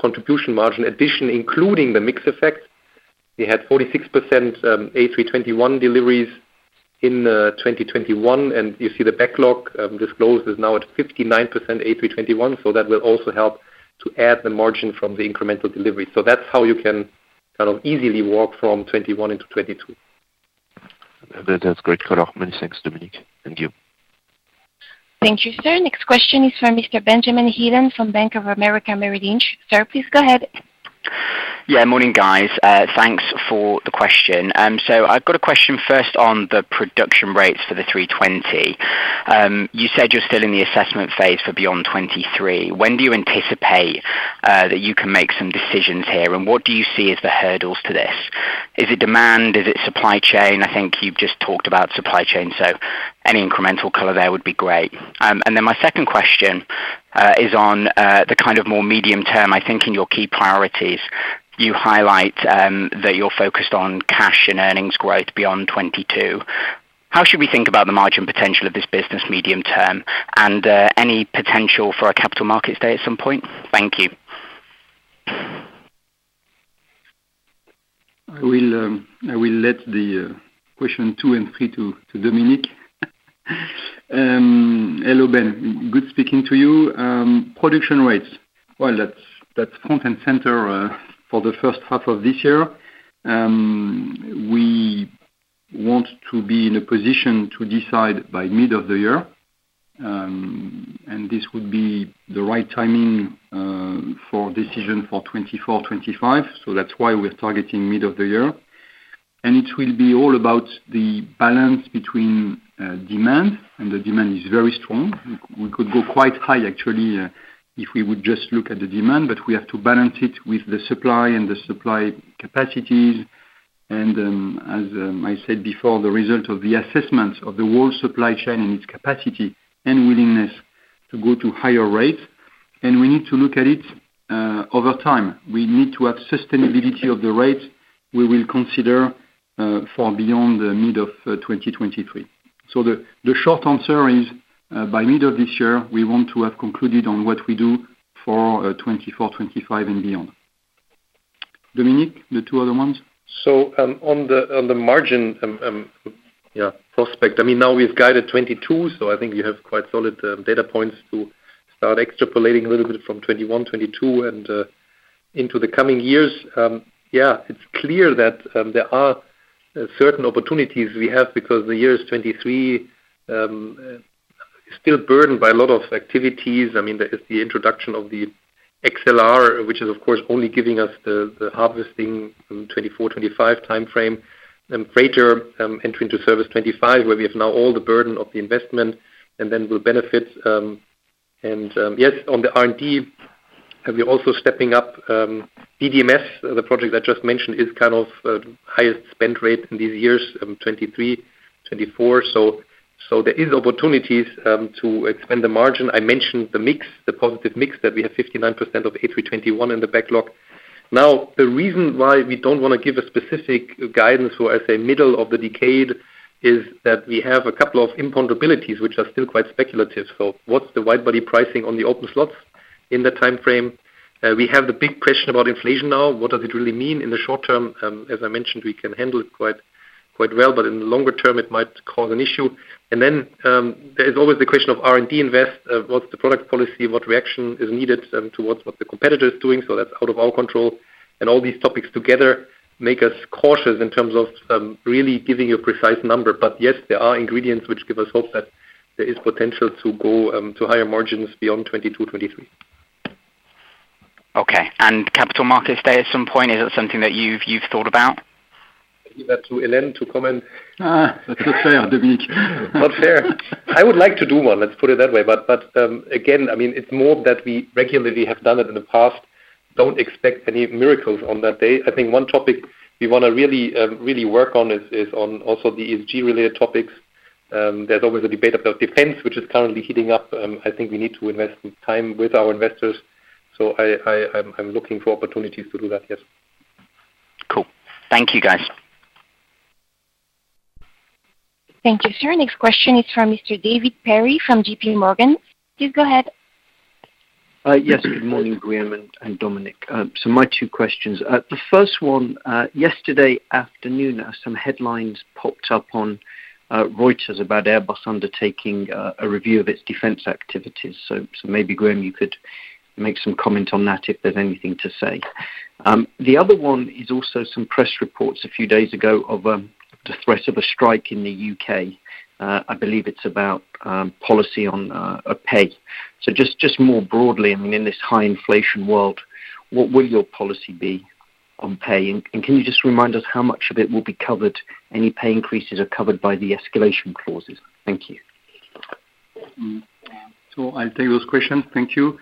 contribution margin addition, including the mix effect. We had 46% A321 deliveries in 2021, and you see the backlog disclosed is now at 59% A321neo. That will also help to add the margin from the incremental delivery. That's how you can kind of easily walk from 2021 into 2022. That, that's great color. Many thanks, Dominik. Thank you. Thank you, sir. Next question is from Mr. Benjamin Heelan from Bank of America Merrill Lynch. Sir, please go ahead. Morning, guys. Thanks for the question. So I've got a question first on the production rates for the A320. You said you're still in the assessment phase for beyond 2023. When do you anticipate that you can make some decisions here? What do you see as the hurdles to this? Is it demand? Is it supply chain? I think you've just talked about supply chain, so any incremental color there would be great. My second question is on the kind of more medium term. I think in your key priorities, you highlight that you're focused on cash and earnings growth beyond 2022. How should we think about the margin potential of this business medium term and any potential for a capital markets day at some point? Thank you. I will let the question two and three to Dominik. Hello, Ben. Good speaking to you. Production rates. Well, that's front and center for the H1 of this year. We want to be in a position to decide by mid of the year, and this would be the right timing for decision for 2024, 2025. That's why we're targeting mid of the year. It will be all about the balance between demand, and the demand is very strong. We could go quite high actually if we would just look at the demand, but we have to balance it with the supply and the supply capacities. As I said before, the result of the assessment of the whole supply chain and its capacity and willingness to go to higher rates. We need to look at it over time. We need to have sustainability of the rates we will consider for beyond the mid of 2023. The short answer is by mid of this year, we want to have concluded on what we do for 2024, 2025 and beyond. Dominik, the two other ones? On the margin, yeah, prospect, I mean, now we've guided 2022, so I think you have quite solid data points to start extrapolating a little bit from 2021, 2022 and into the coming years. It's clear that there are certain opportunities we have because the year 2023 is still burdened by a lot of activities. I mean, there is the introduction of the XLR, which is of course only giving us the harvesting in 2024, 2025 timeframe. Freighter entering into service 2025, where we have now all the burden of the investment and then will benefit. On the R&D, we are also stepping up. DDMS, the project I just mentioned, is kind of highest spend rate in these years, 2023, 2024. There are opportunities to expand the margin. I mentioned the mix, the positive mix that we have 59% of A321neo in the backlog. Now, the reason why we don't wanna give a specific guidance for as a middle of the decade is that we have a couple of imponderabilities, which are still quite speculative. What's the wide body pricing on the open slots in that timeframe? We have the big question about inflation now. What does it really mean in the short term? As I mentioned, we can handle it quite well, but in the longer term, it might cause an issue. There's always the question of R&D invest. What's the product policy? What reaction is needed towards what the competitor is doing? That's out of our control. All these topics together make us cautious in terms of really giving a precise number. Yes, there are ingredients which give us hope that there is potential to go to higher margins beyond 2022, 2023. Okay. Capital Markets Day at some point, is that something that you've thought about? Leave that to Hélène to comment. That's not fair, Dominik. Not fair. I would like to do one, let's put it that way. Again, I mean, it's more that we regularly have done it in the past. Don't expect any miracles on that day. I think one topic we wanna really work on is on also the ESG related topics. There's always a debate about defense, which is currently heating up. I think we need to invest some time with our investors, so I'm looking for opportunities to do that, yes. Cool. Thank you, guys. Thank you, sir. Next question is from Mr. David Perry from JPMorgan. Please go ahead. Yes. Good morning, Guillaume and Dominik. My two questions. The first one, yesterday afternoon, some headlines popped up on Reuters about Airbus undertaking a review of its defense activities. Maybe, Guillaume, you could make some comment on that if there's anything to say. The other one is also some press reports a few days ago of the threat of a strike in the U.K. I believe it's about policy on pay. Just more broadly, I mean, in this high inflation world, what will your policy be on pay? Can you just remind us how much of it will be covered, any pay increases are covered by the escalation clauses? Thank you. I'll take those questions. Thank you.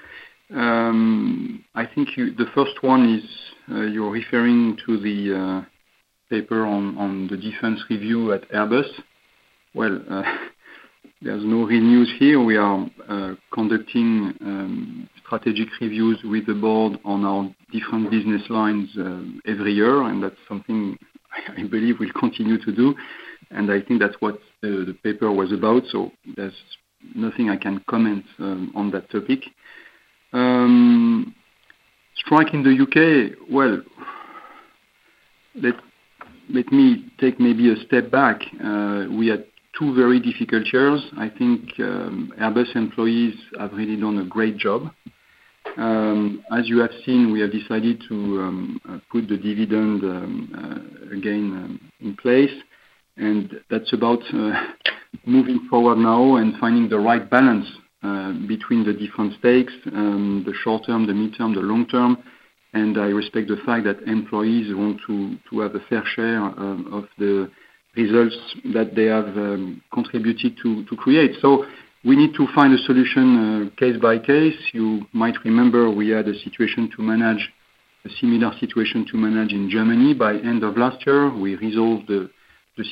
I think the first one is, you're referring to the paper on the defense review at Airbus. Well, there's no big news here. We are conducting strategic reviews with the board on our different business lines every year, and that's something I believe we'll continue to do. I think that's what the paper was about, so there's nothing I can comment on that topic. Strike in the U.K., well, let me take maybe a step back. We had two very difficult years. I think Airbus employees have really done a great job. As you have seen, we have decided to put the dividend again in place, and that's about moving forward now and finding the right balance between the different stakes, the short term, the midterm, the long term. I respect the fact that employees want to have a fair share of the results that they have contributed to create. We need to find a solution case by case. You might remember we had a similar situation to manage in Germany by end of last year. We resolved the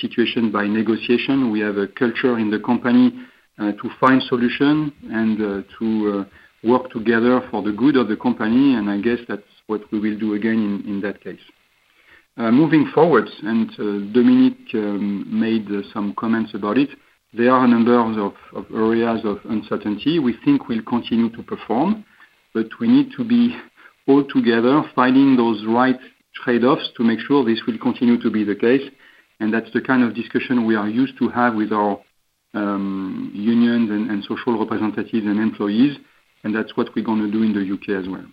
situation by negotiation. We have a culture in the company to find solution and to work together for the good of the company, and I guess that's what we will do again in that case. Moving forward, Dominik made some comments about it. There are a number of areas of uncertainty we think we'll continue to perform, but we need to be all together finding those right trade-offs to make sure this will continue to be the case. That's the kind of discussion we are used to have with our unions and social representatives and employees, and that's what we're gonna do in the U.K. as well.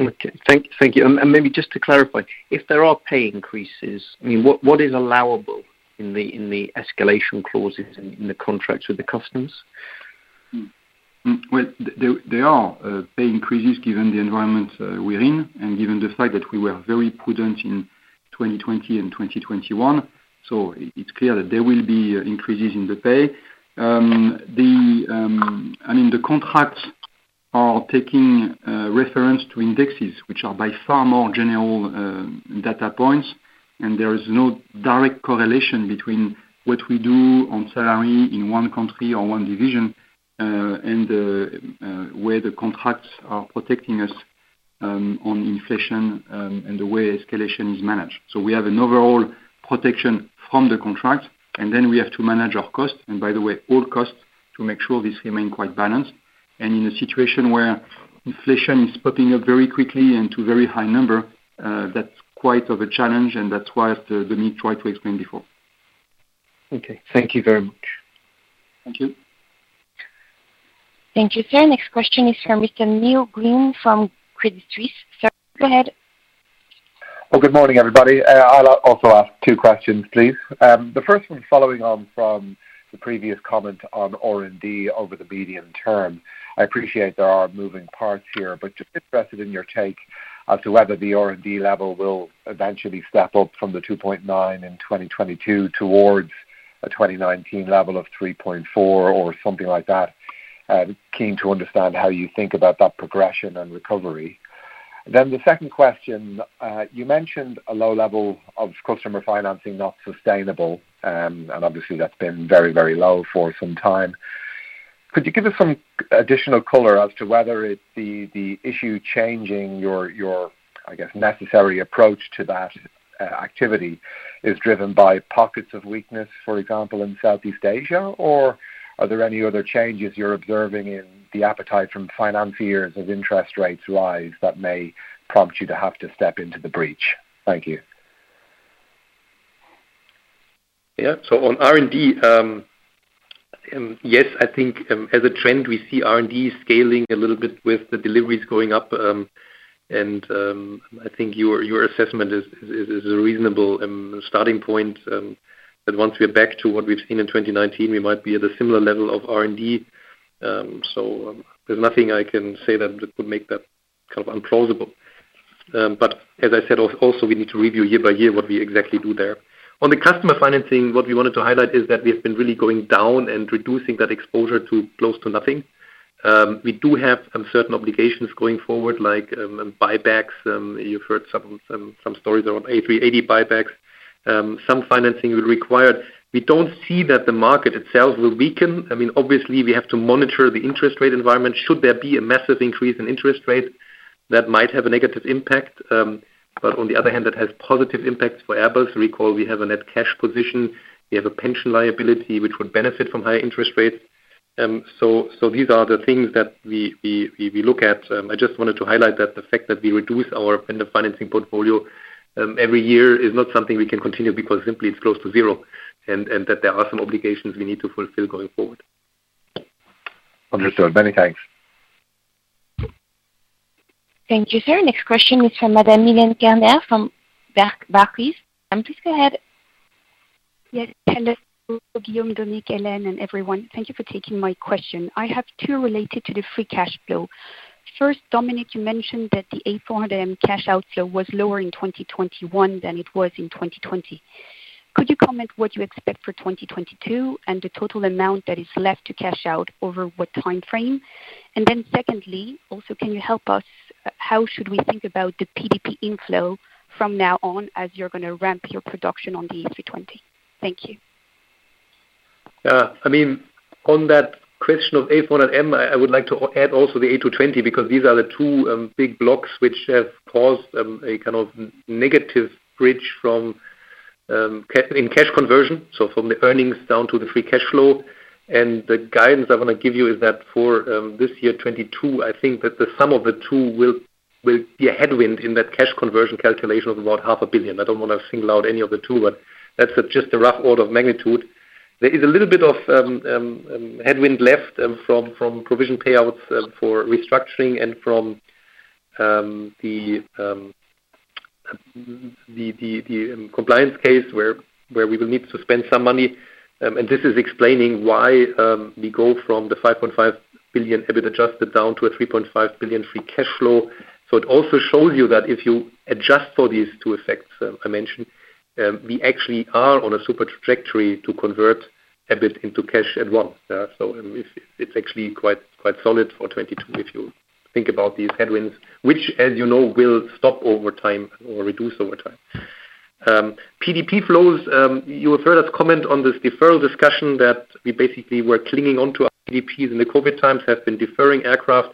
Okay. Thank you. Maybe just to clarify, if there are pay increases, I mean, what is allowable in the escalation clauses in the contracts with the customers? Well, there are pay increases given the environment we're in and given the fact that we were very prudent in 2020 and 2021. It's clear that there will be increases in the pay. I mean, the contracts are taking reference to indexes, which are by far more general data points, and there is no direct correlation between what we do on salary in one country or one division and where the contracts are protecting us on inflation and the way escalation is managed. We have an overall protection from the contract, and then we have to manage our costs, and by the way, all costs, to make sure this remain quite balanced. In a situation where inflation is popping up very quickly and to very high number, that's quite a challenge and that's why, as Dominik tried to explain before. Okay. Thank you very much. Thank you. Thank you, sir. Next question is from Mr. Neil Glynn from Credit Suisse. Sir, go ahead. Well, good morning, everybody. I'll also ask two questions, please. The first one following on from the previous comment on R&D over the medium term. I appreciate there are moving parts here, but just interested in your take as to whether the R&D level will eventually step up from the 2.9 in 2022 towards a 2019 level of 3.4 or something like that. Keen to understand how you think about that progression and recovery. The second question, you mentioned a low level of customer financing not sustainable, and obviously that's been very, very low for some time. Could you give us some additional color as to whether it's the issue changing your, I guess, necessary approach to that activity is driven by pockets of weakness, for example, in Southeast Asia? Are there any other changes you're observing in the appetite from financiers as interest rates rise that may prompt you to have to step into the breach? Thank you. Yeah. On R&D, and yes, I think, as a trend, we see R&D scaling a little bit with the deliveries going up. I think your assessment is a reasonable starting point, that once we're back to what we've seen in 2019, we might be at a similar level of R&D. There's nothing I can say that would make that kind of implausible. But as I said, also we need to review year by year what we exactly do there. On the customer financing, what we wanted to highlight is that we have been really going down and reducing that exposure to close to nothing. We do have some certain obligations going forward, like, buybacks. You've heard some stories around A380 buybacks. Some financing will require. We don't see that the market itself will weaken. I mean, obviously we have to monitor the interest rate environment. Should there be a massive increase in interest rates, that might have a negative impact. On the other hand, that has positive impacts for Airbus. Recall we have a net cash position, we have a pension liability, which would benefit from higher interest rates. These are the things that we look at. I just wanted to highlight that the fact that we reduce our vendor financing portfolio every year is not something we can continue because simply it's close to zero, and that there are some obligations we need to fulfill going forward. Understood. Many thanks. Thank you, sir. Next question is from Madame Milene Kerner from Barclays. Please go ahead. Yes. Hello, Guillaume, Dominik, Hélène, and everyone. Thank you for taking my question. I have two related to the free cash flow. First, Dominik, you mentioned that the A400M cash outflow was lower in 2021 than it was in 2020. Could you comment what you expect for 2022 and the total amount that is left to cash out over what time frame? Then secondly, also, can you help us, how should we think about the PDP inflow from now on as you're gonna ramp your production on the A320? Thank you. Yeah. I mean, on that question of A400M, I would like to add also the A220, because these are the two big blocks which have caused a kind of negative bridge from cash conversion, so from the earnings down to the free cash flow. The guidance I want to give you is that for this year 2022, I think that the sum of the two will be a headwind in that cash conversion calculation of about 500 million. I don't want to single out any of the two, but that's just a rough order of magnitude. There is a little bit of headwind left from provision payouts for restructuring and from the compliance case where we will need to spend some money. This is explaining why we go from the 5.5 billion EBIT adjusted down to a 3.5 billion free cash flow. It also shows you that if you adjust for these two effects I mentioned, we actually are on a super trajectory to convert EBIT into cash at once. It's actually quite solid for 2022 if you think about these headwinds, which as you know, will stop over time or reduce over time. PDP flows, you will further comment on this deferral discussion that we basically were clinging on to our PDPs in the COVID times, have been deferring aircraft.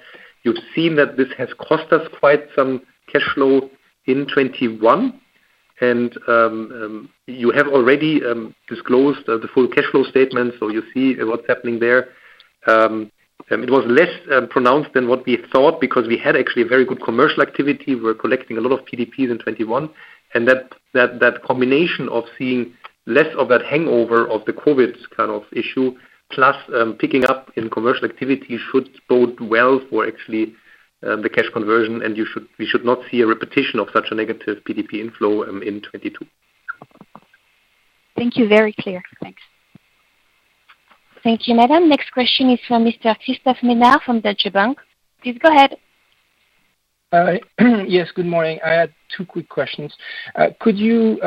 You've seen that this has cost us quite some cash flow in 2021. You have already disclosed the full cash flow statement, so you see what's happening there. It was less pronounced than what we thought because we had actually a very good commercial activity. We're collecting a lot of PDPs in 2021, and that combination of seeing less of that hangover of the COVID kind of issue, plus picking up in commercial activity should bode well for actually the cash conversion. We should not see a repetition of such a negative PDP inflow in 2022. Thank you. Very clear. Thanks. Thank you, madam. Next question is from Mr. Christophe Menard from Deutsche Bank. Please go ahead. All right. Yes, good morning. I had two quick questions. Could you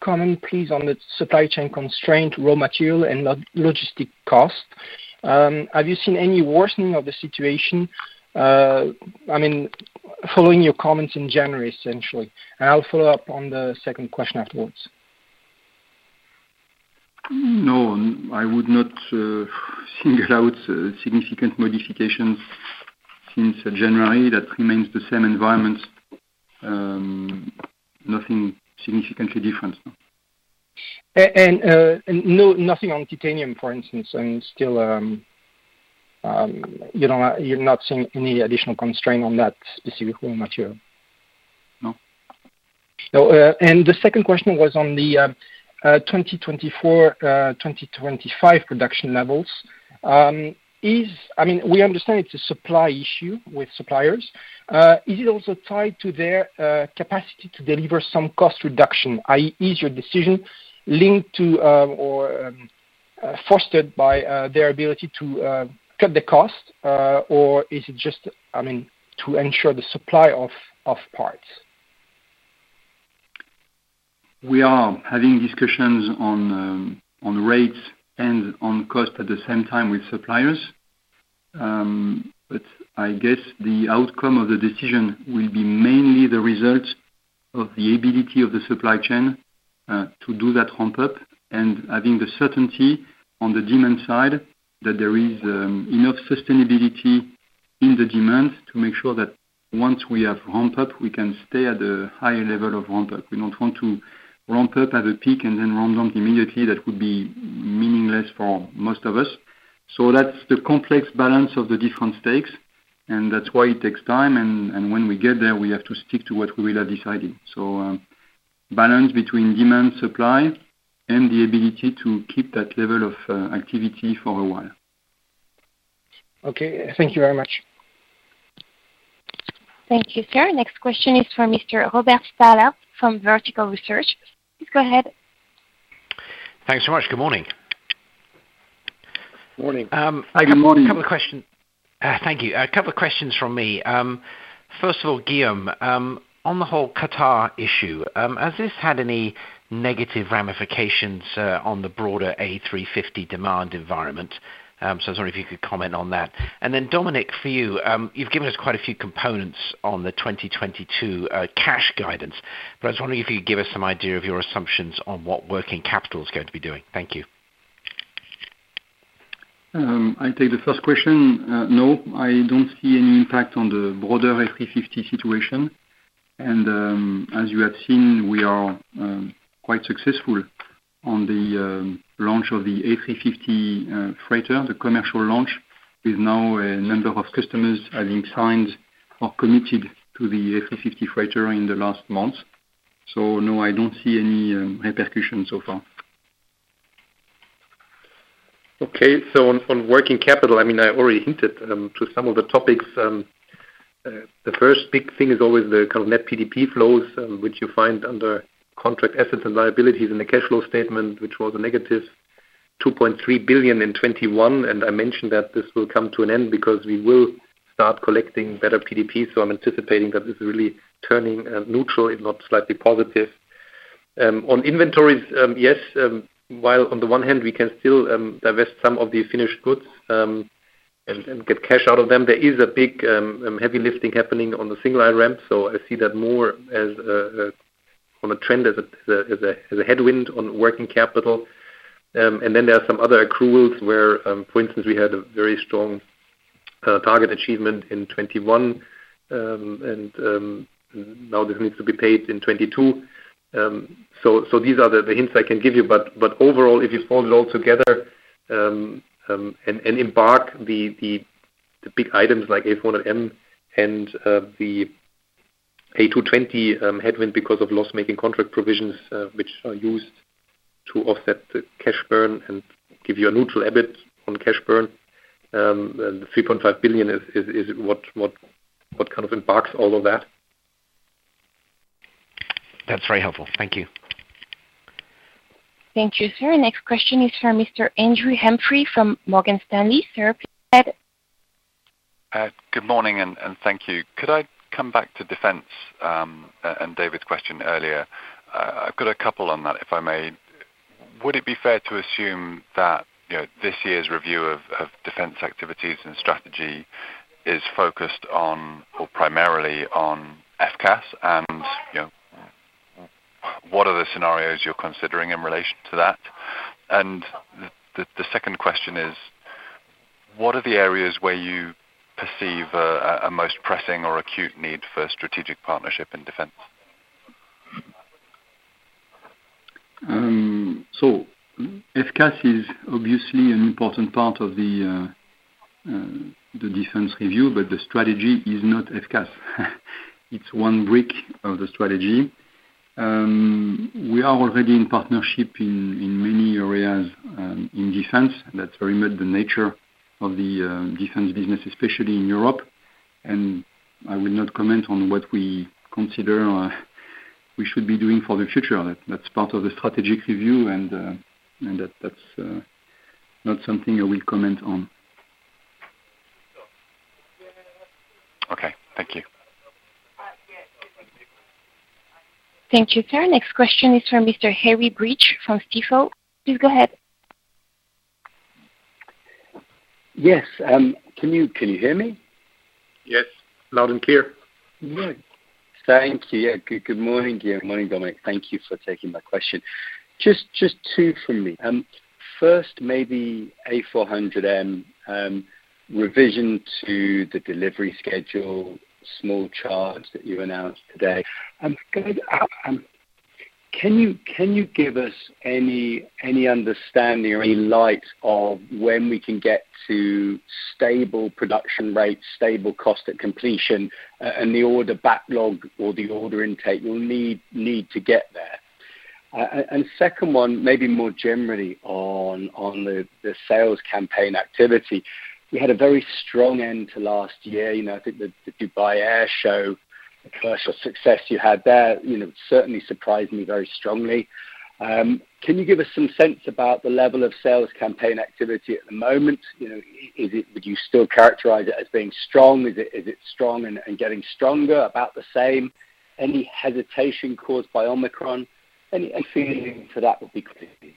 comment please on the supply chain constraint, raw material and logistics cost? Have you seen any worsening of the situation, I mean, following your comments in January, essentially? I'll follow up on the second question afterwards. No, I would not single out significant modifications since January. That remains the same environment, nothing significantly different. nothing on titanium, for instance, and still, you're not seeing any additional constraint on that specific raw material? No. No. The second question was on the 2024, 2025 production levels. I mean, we understand it's a supply issue with suppliers. Is it also tied to their capacity to deliver some cost reduction, i.e., is your decision linked to, or, fostered by, their ability to cut the cost? Or is it just, I mean, to ensure the supply of parts? We are having discussions on rates and on cost at the same time with suppliers. I guess the outcome of the decision will be mainly the result of the ability of the supply chain to do that ramp-up, and having the certainty on the demand side that there is enough sustainability in the demand to make sure that once we have ramped up, we can stay at a higher level of ramp-up. We don't want to ramp up at a peak and then ramp down immediately. That would be meaningless for most of us. That's the complex balance of the different stakes, and that's why it takes time and when we get there, we have to stick to what we will have decided. Balance between demand, supply, and the ability to keep that level of activity for a while. Okay. Thank you very much. Thank you, sir. Next question is from Mr. Robert Stallard from Vertical Research. Please go ahead. Thanks so much. Good morning. Morning. Good morning. I have a couple of questions. Thank you. A couple of questions from me. First of all, Guillaume, on the whole Qatar issue, has this had any negative ramifications on the broader A350 demand environment? So I was wondering if you could comment on that. Then Dominik, for you've given us quite a few components on the 2022 cash guidance, but I was wondering if you could give us some idea of your assumptions on what working capital is going to be doing. Thank you. I take the first question. No, I don't see any impact on the broader A350 situation. As you have seen, we are quite successful on the launch of the A350 Freighter. The commercial launch is now a number of customers having signed or committed to the A350 Freighter in the last month. No, I don't see any repercussion so far. On working capital, I already hinted to some of the topics. The first big thing is always the kind of net PDP flows, which you find under contract assets and liabilities in the cash flow statement, which was a negative 2.3 billion in 2021. I mentioned that this will come to an end because we will start collecting better PDP. I'm anticipating that this is really turning neutral, if not slightly positive. On inventories, yes, while on the one hand we can still divest some of the finished goods and get cash out of them, there is a big heavy lifting happening on the single aisle ramp. I see that more as on a trend as a headwind on working capital. There are some other accruals where, for instance, we had a very strong target achievement in 2021. Now this needs to be paid in 2022. These are the hints I can give you, but overall, if you fold it all together and embed the big items like A400M and the A220 headwind because of loss-making contract provisions, which are used to offset the cash burn and give you a neutral EBIT on cash burn. The 3.5 billion is what kind of embeds all of that. That's very helpful. Thank you. Thank you, sir. Next question is from Mr. Andrew Humphrey from Morgan Stanley. Sir, please go ahead. Good morning and thank you. Could I come back to defense and David's question earlier? I've got a couple on that, if I may. Would it be fair to assume that, you know, this year's review of defense activities and strategy is focused on or primarily on FCAS and, you know, what are the scenarios you're considering in relation to that? The second question is, what are the areas where you perceive a most pressing or acute need for strategic partnership in defense? FCAS is obviously an important part of the defense review, but the strategy is not FCAS. It's one brick of the strategy. We are already in partnership in many areas in defense. That's very much the nature of the defense business, especially in Europe. I will not comment on what we consider or we should be doing for the future. That's part of the strategic review and that's not something I will comment on. Okay. Thank you. Thank you, sir. Next question is from Mr. Harry Breach from Stifel. Please go ahead. Yes. Can you hear me? Yes. Loud and clear. Right. Thank you. Good morning, Guillaume. Morning, Dominik. Thank you for taking my question. Just two from me. First maybe A400M, revision to the delivery schedule, small charge that you announced today. Could you give us any understanding or any light on when we can get to stable production rates, stable cost at completion, and the order backlog or the order intake you'll need to get there? And second one, maybe more generally on the sales campaign activity. We had a very strong end to last year. You know, I think the Dubai Air Show, the commercial success you had there, you know, certainly surprised me very strongly. Can you give us some sense about the level of sales campaign activity at the moment? You know, is it, would you still characterize it as being strong? Is it strong and getting stronger? About the same? Any hesitation caused by Omicron? Any feeling to that would be great.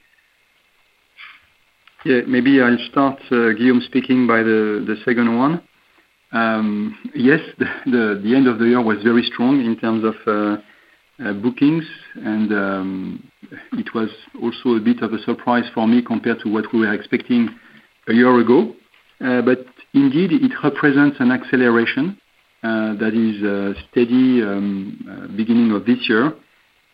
Yeah, maybe I'll start, Guillaume speaking by the second one. Yes, the end of the year was very strong in terms of bookings and it was also a bit of a surprise for me compared to what we were expecting a year ago. Indeed, it represents an acceleration that is a steady beginning of this year.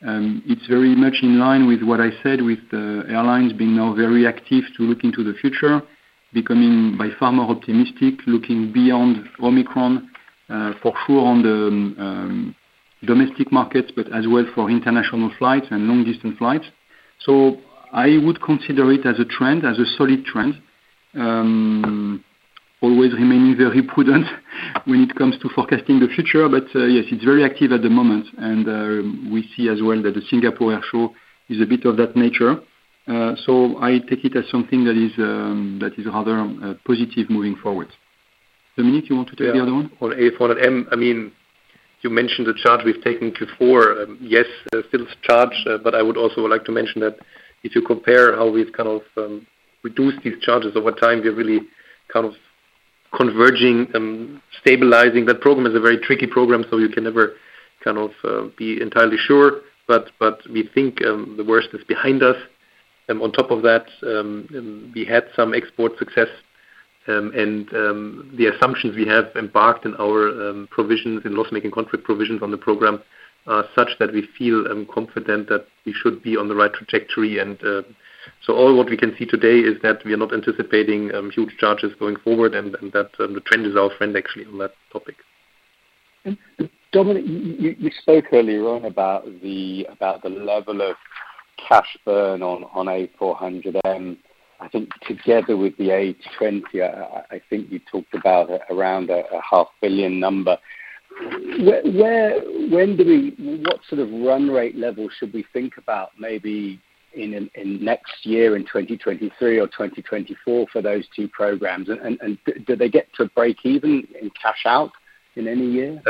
It's very much in line with what I said with the airlines being now very active to look into the future, becoming by far more optimistic, looking beyond Omicron for sure on the domestic markets, but as well for international flights and long-distance flights. I would consider it as a trend, as a solid trend. Always remaining very prudent when it comes to forecasting the future. Yes, it's very active at the moment, and we see as well that the Singapore Airshow is a bit of that nature. I take it as something that is rather positive moving forward. Dominik, you want to take the other one? Yeah. On A400M, I mean, you mentioned the charge we've taken before. Yes, it's still a charge, but I would also like to mention that if you compare how we've kind of reduced these charges over time, we are really kind of converging and stabilizing. That program is a very tricky program, so you can never kind of be entirely sure, but we think the worst is behind us. On top of that, we had some export success. The assumptions we have embedded in our provisions, in loss-making contract provisions on the program are such that we feel confident that we should be on the right trajectory. All what we can see today is that we are not anticipating huge charges going forward and that the trend is our friend actually on that topic. Dominik, you spoke earlier on about the level of cash burn on A400M. I think together with the A220, I think you talked about around EUR a half billion number. What sort of run rate level should we think about maybe in next year, in 2023 or 2024 for those two programs? Do they get to break even in cash out in any year?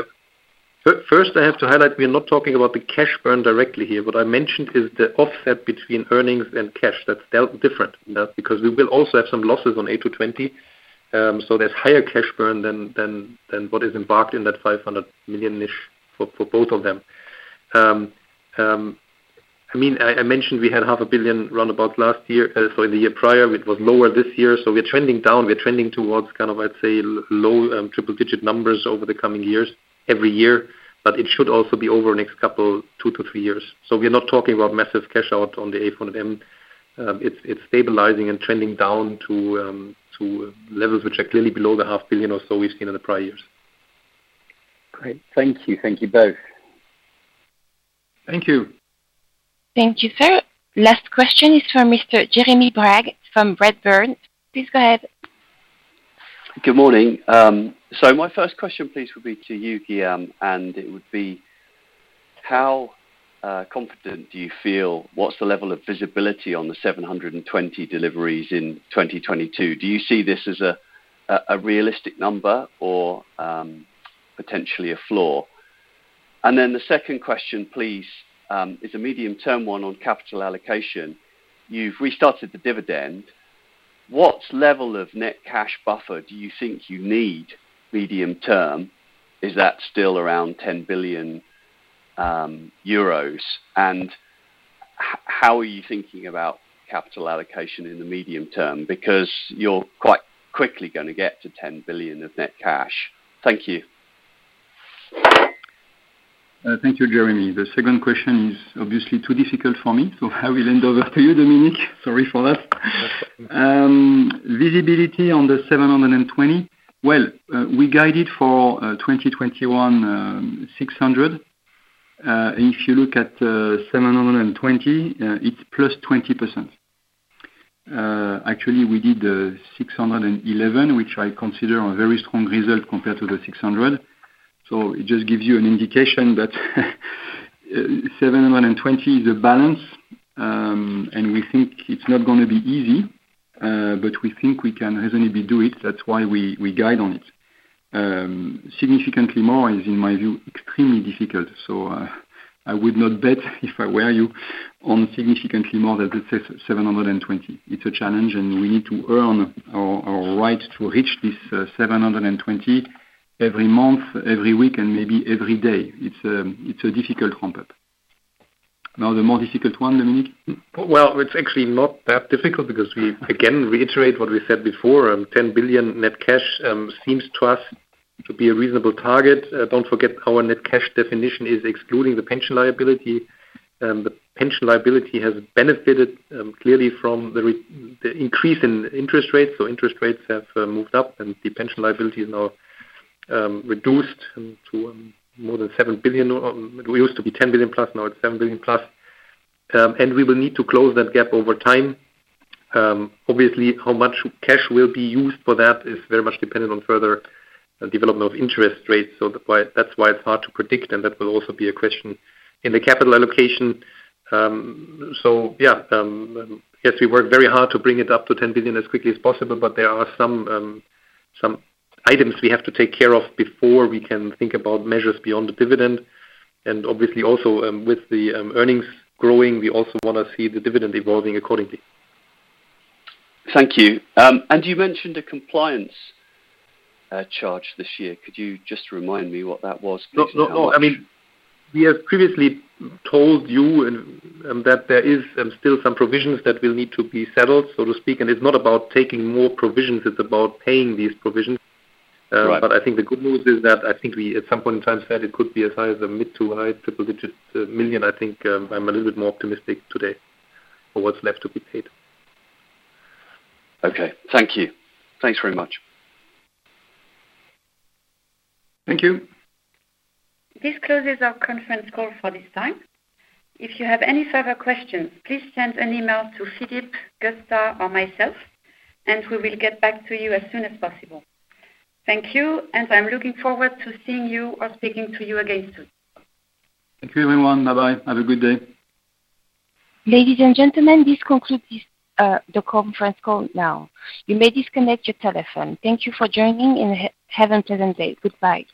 First, I have to highlight we are not talking about the cash burn directly here. What I mentioned is the offset between earnings and cash. That's different, because we will also have some losses on A220, so there's higher cash burn than what is embedded in that 500 million-ish for both of them. I mean, I mentioned we had half a billion run rate about last year. In the year prior, it was lower this year. We're trending down. We're trending towards kind of, I'd say low triple-digit numbers over the coming years every year. It should also be over the next couple, two to three years. We are not talking about massive cash out on the A400M. It's stabilizing and trending down to levels which are clearly below EUR half a billion or so we've seen in the prior years. Great. Thank you. Thank you both. Thank you. Thank you, sir. Last question is from Mr. Jeremy Bragg from Redburn. Please go ahead. Good morning. My first question please will be to you, Guillaume, and it would be how confident do you feel what's the level of visibility on the 720 deliveries in 2022? Do you see this as a realistic number or potentially a floor? The second question, please, is a medium-term one on capital allocation. You've restarted the dividend. What level of net cash buffer do you think you need medium term? Is that still around 10 billion euros? How are you thinking about capital allocation in the medium term? Because you're quite quickly gonna get to 10 billion of net cash. Thank you. Thank you, Jeremy. The second question is obviously too difficult for me, so I will hand over to you, Dominik. Sorry for that. Visibility on the 720. Well, we guided for 2021, 600. If you look at 720, it's +20%. Actually we did 611, which I consider a very strong result compared to the 600. It just gives you an indication that 720 is a balance. We think it's not gonna be easy, but we think we can reasonably do it. That's why we guide on it. Significantly more is, in my view, extremely difficult. I would not bet, if I were you, on significantly more than the 720. It's a challenge and we need to earn our right to reach this 720 every month, every week, and maybe every day. It's a difficult hump up. Now, the more difficult one, Dominik. Well, it's actually not that difficult because we, again, reiterate what we said before. 10 billion net cash seems to us to be a reasonable target. Don't forget our net cash definition is excluding the pension liability. The pension liability has benefited clearly from the increase in interest rates. Interest rates have moved up and the pension liability is now reduced to more than 7 billion, or it used to be 10 billion plus, now it's 7 billion plus. We will need to close that gap over time. Obviously how much cash will be used for that is very much dependent on further development of interest rates. That's why it's hard to predict and that will also be a question in the capital allocation. Yes, we work very hard to bring it up to 10 billion as quickly as possible, but there are some items we have to take care of before we can think about measures beyond the dividend. Obviously also, with the earnings growing, we also wanna see the dividend evolving accordingly. Thank you. You mentioned a compliance charge this year. Could you just remind me what that was, please? How much? No, no. I mean, we have previously told you and that there is still some provisions that will need to be settled, so to speak. It's not about taking more provisions, it's about paying these provisions. Right. I think the good news is that I think we at some point in time said it could be as high as a mid to high triple digits million. I think I'm a little bit more optimistic today on what's left to be paid. Okay. Thank you. Thanks very much. Thank you. This closes our conference call for this time. If you have any further questions, please send an email to Philippe, Gustav, or myself, and we will get back to you as soon as possible. Thank you, and I'm looking forward to seeing you or speaking to you again soon. Thank you everyone. Bye-bye. Have a good day. Ladies and gentlemen, this concludes this, the conference call now. You may disconnect your telephone. Thank you for joining and have a pleasant day. Goodbye.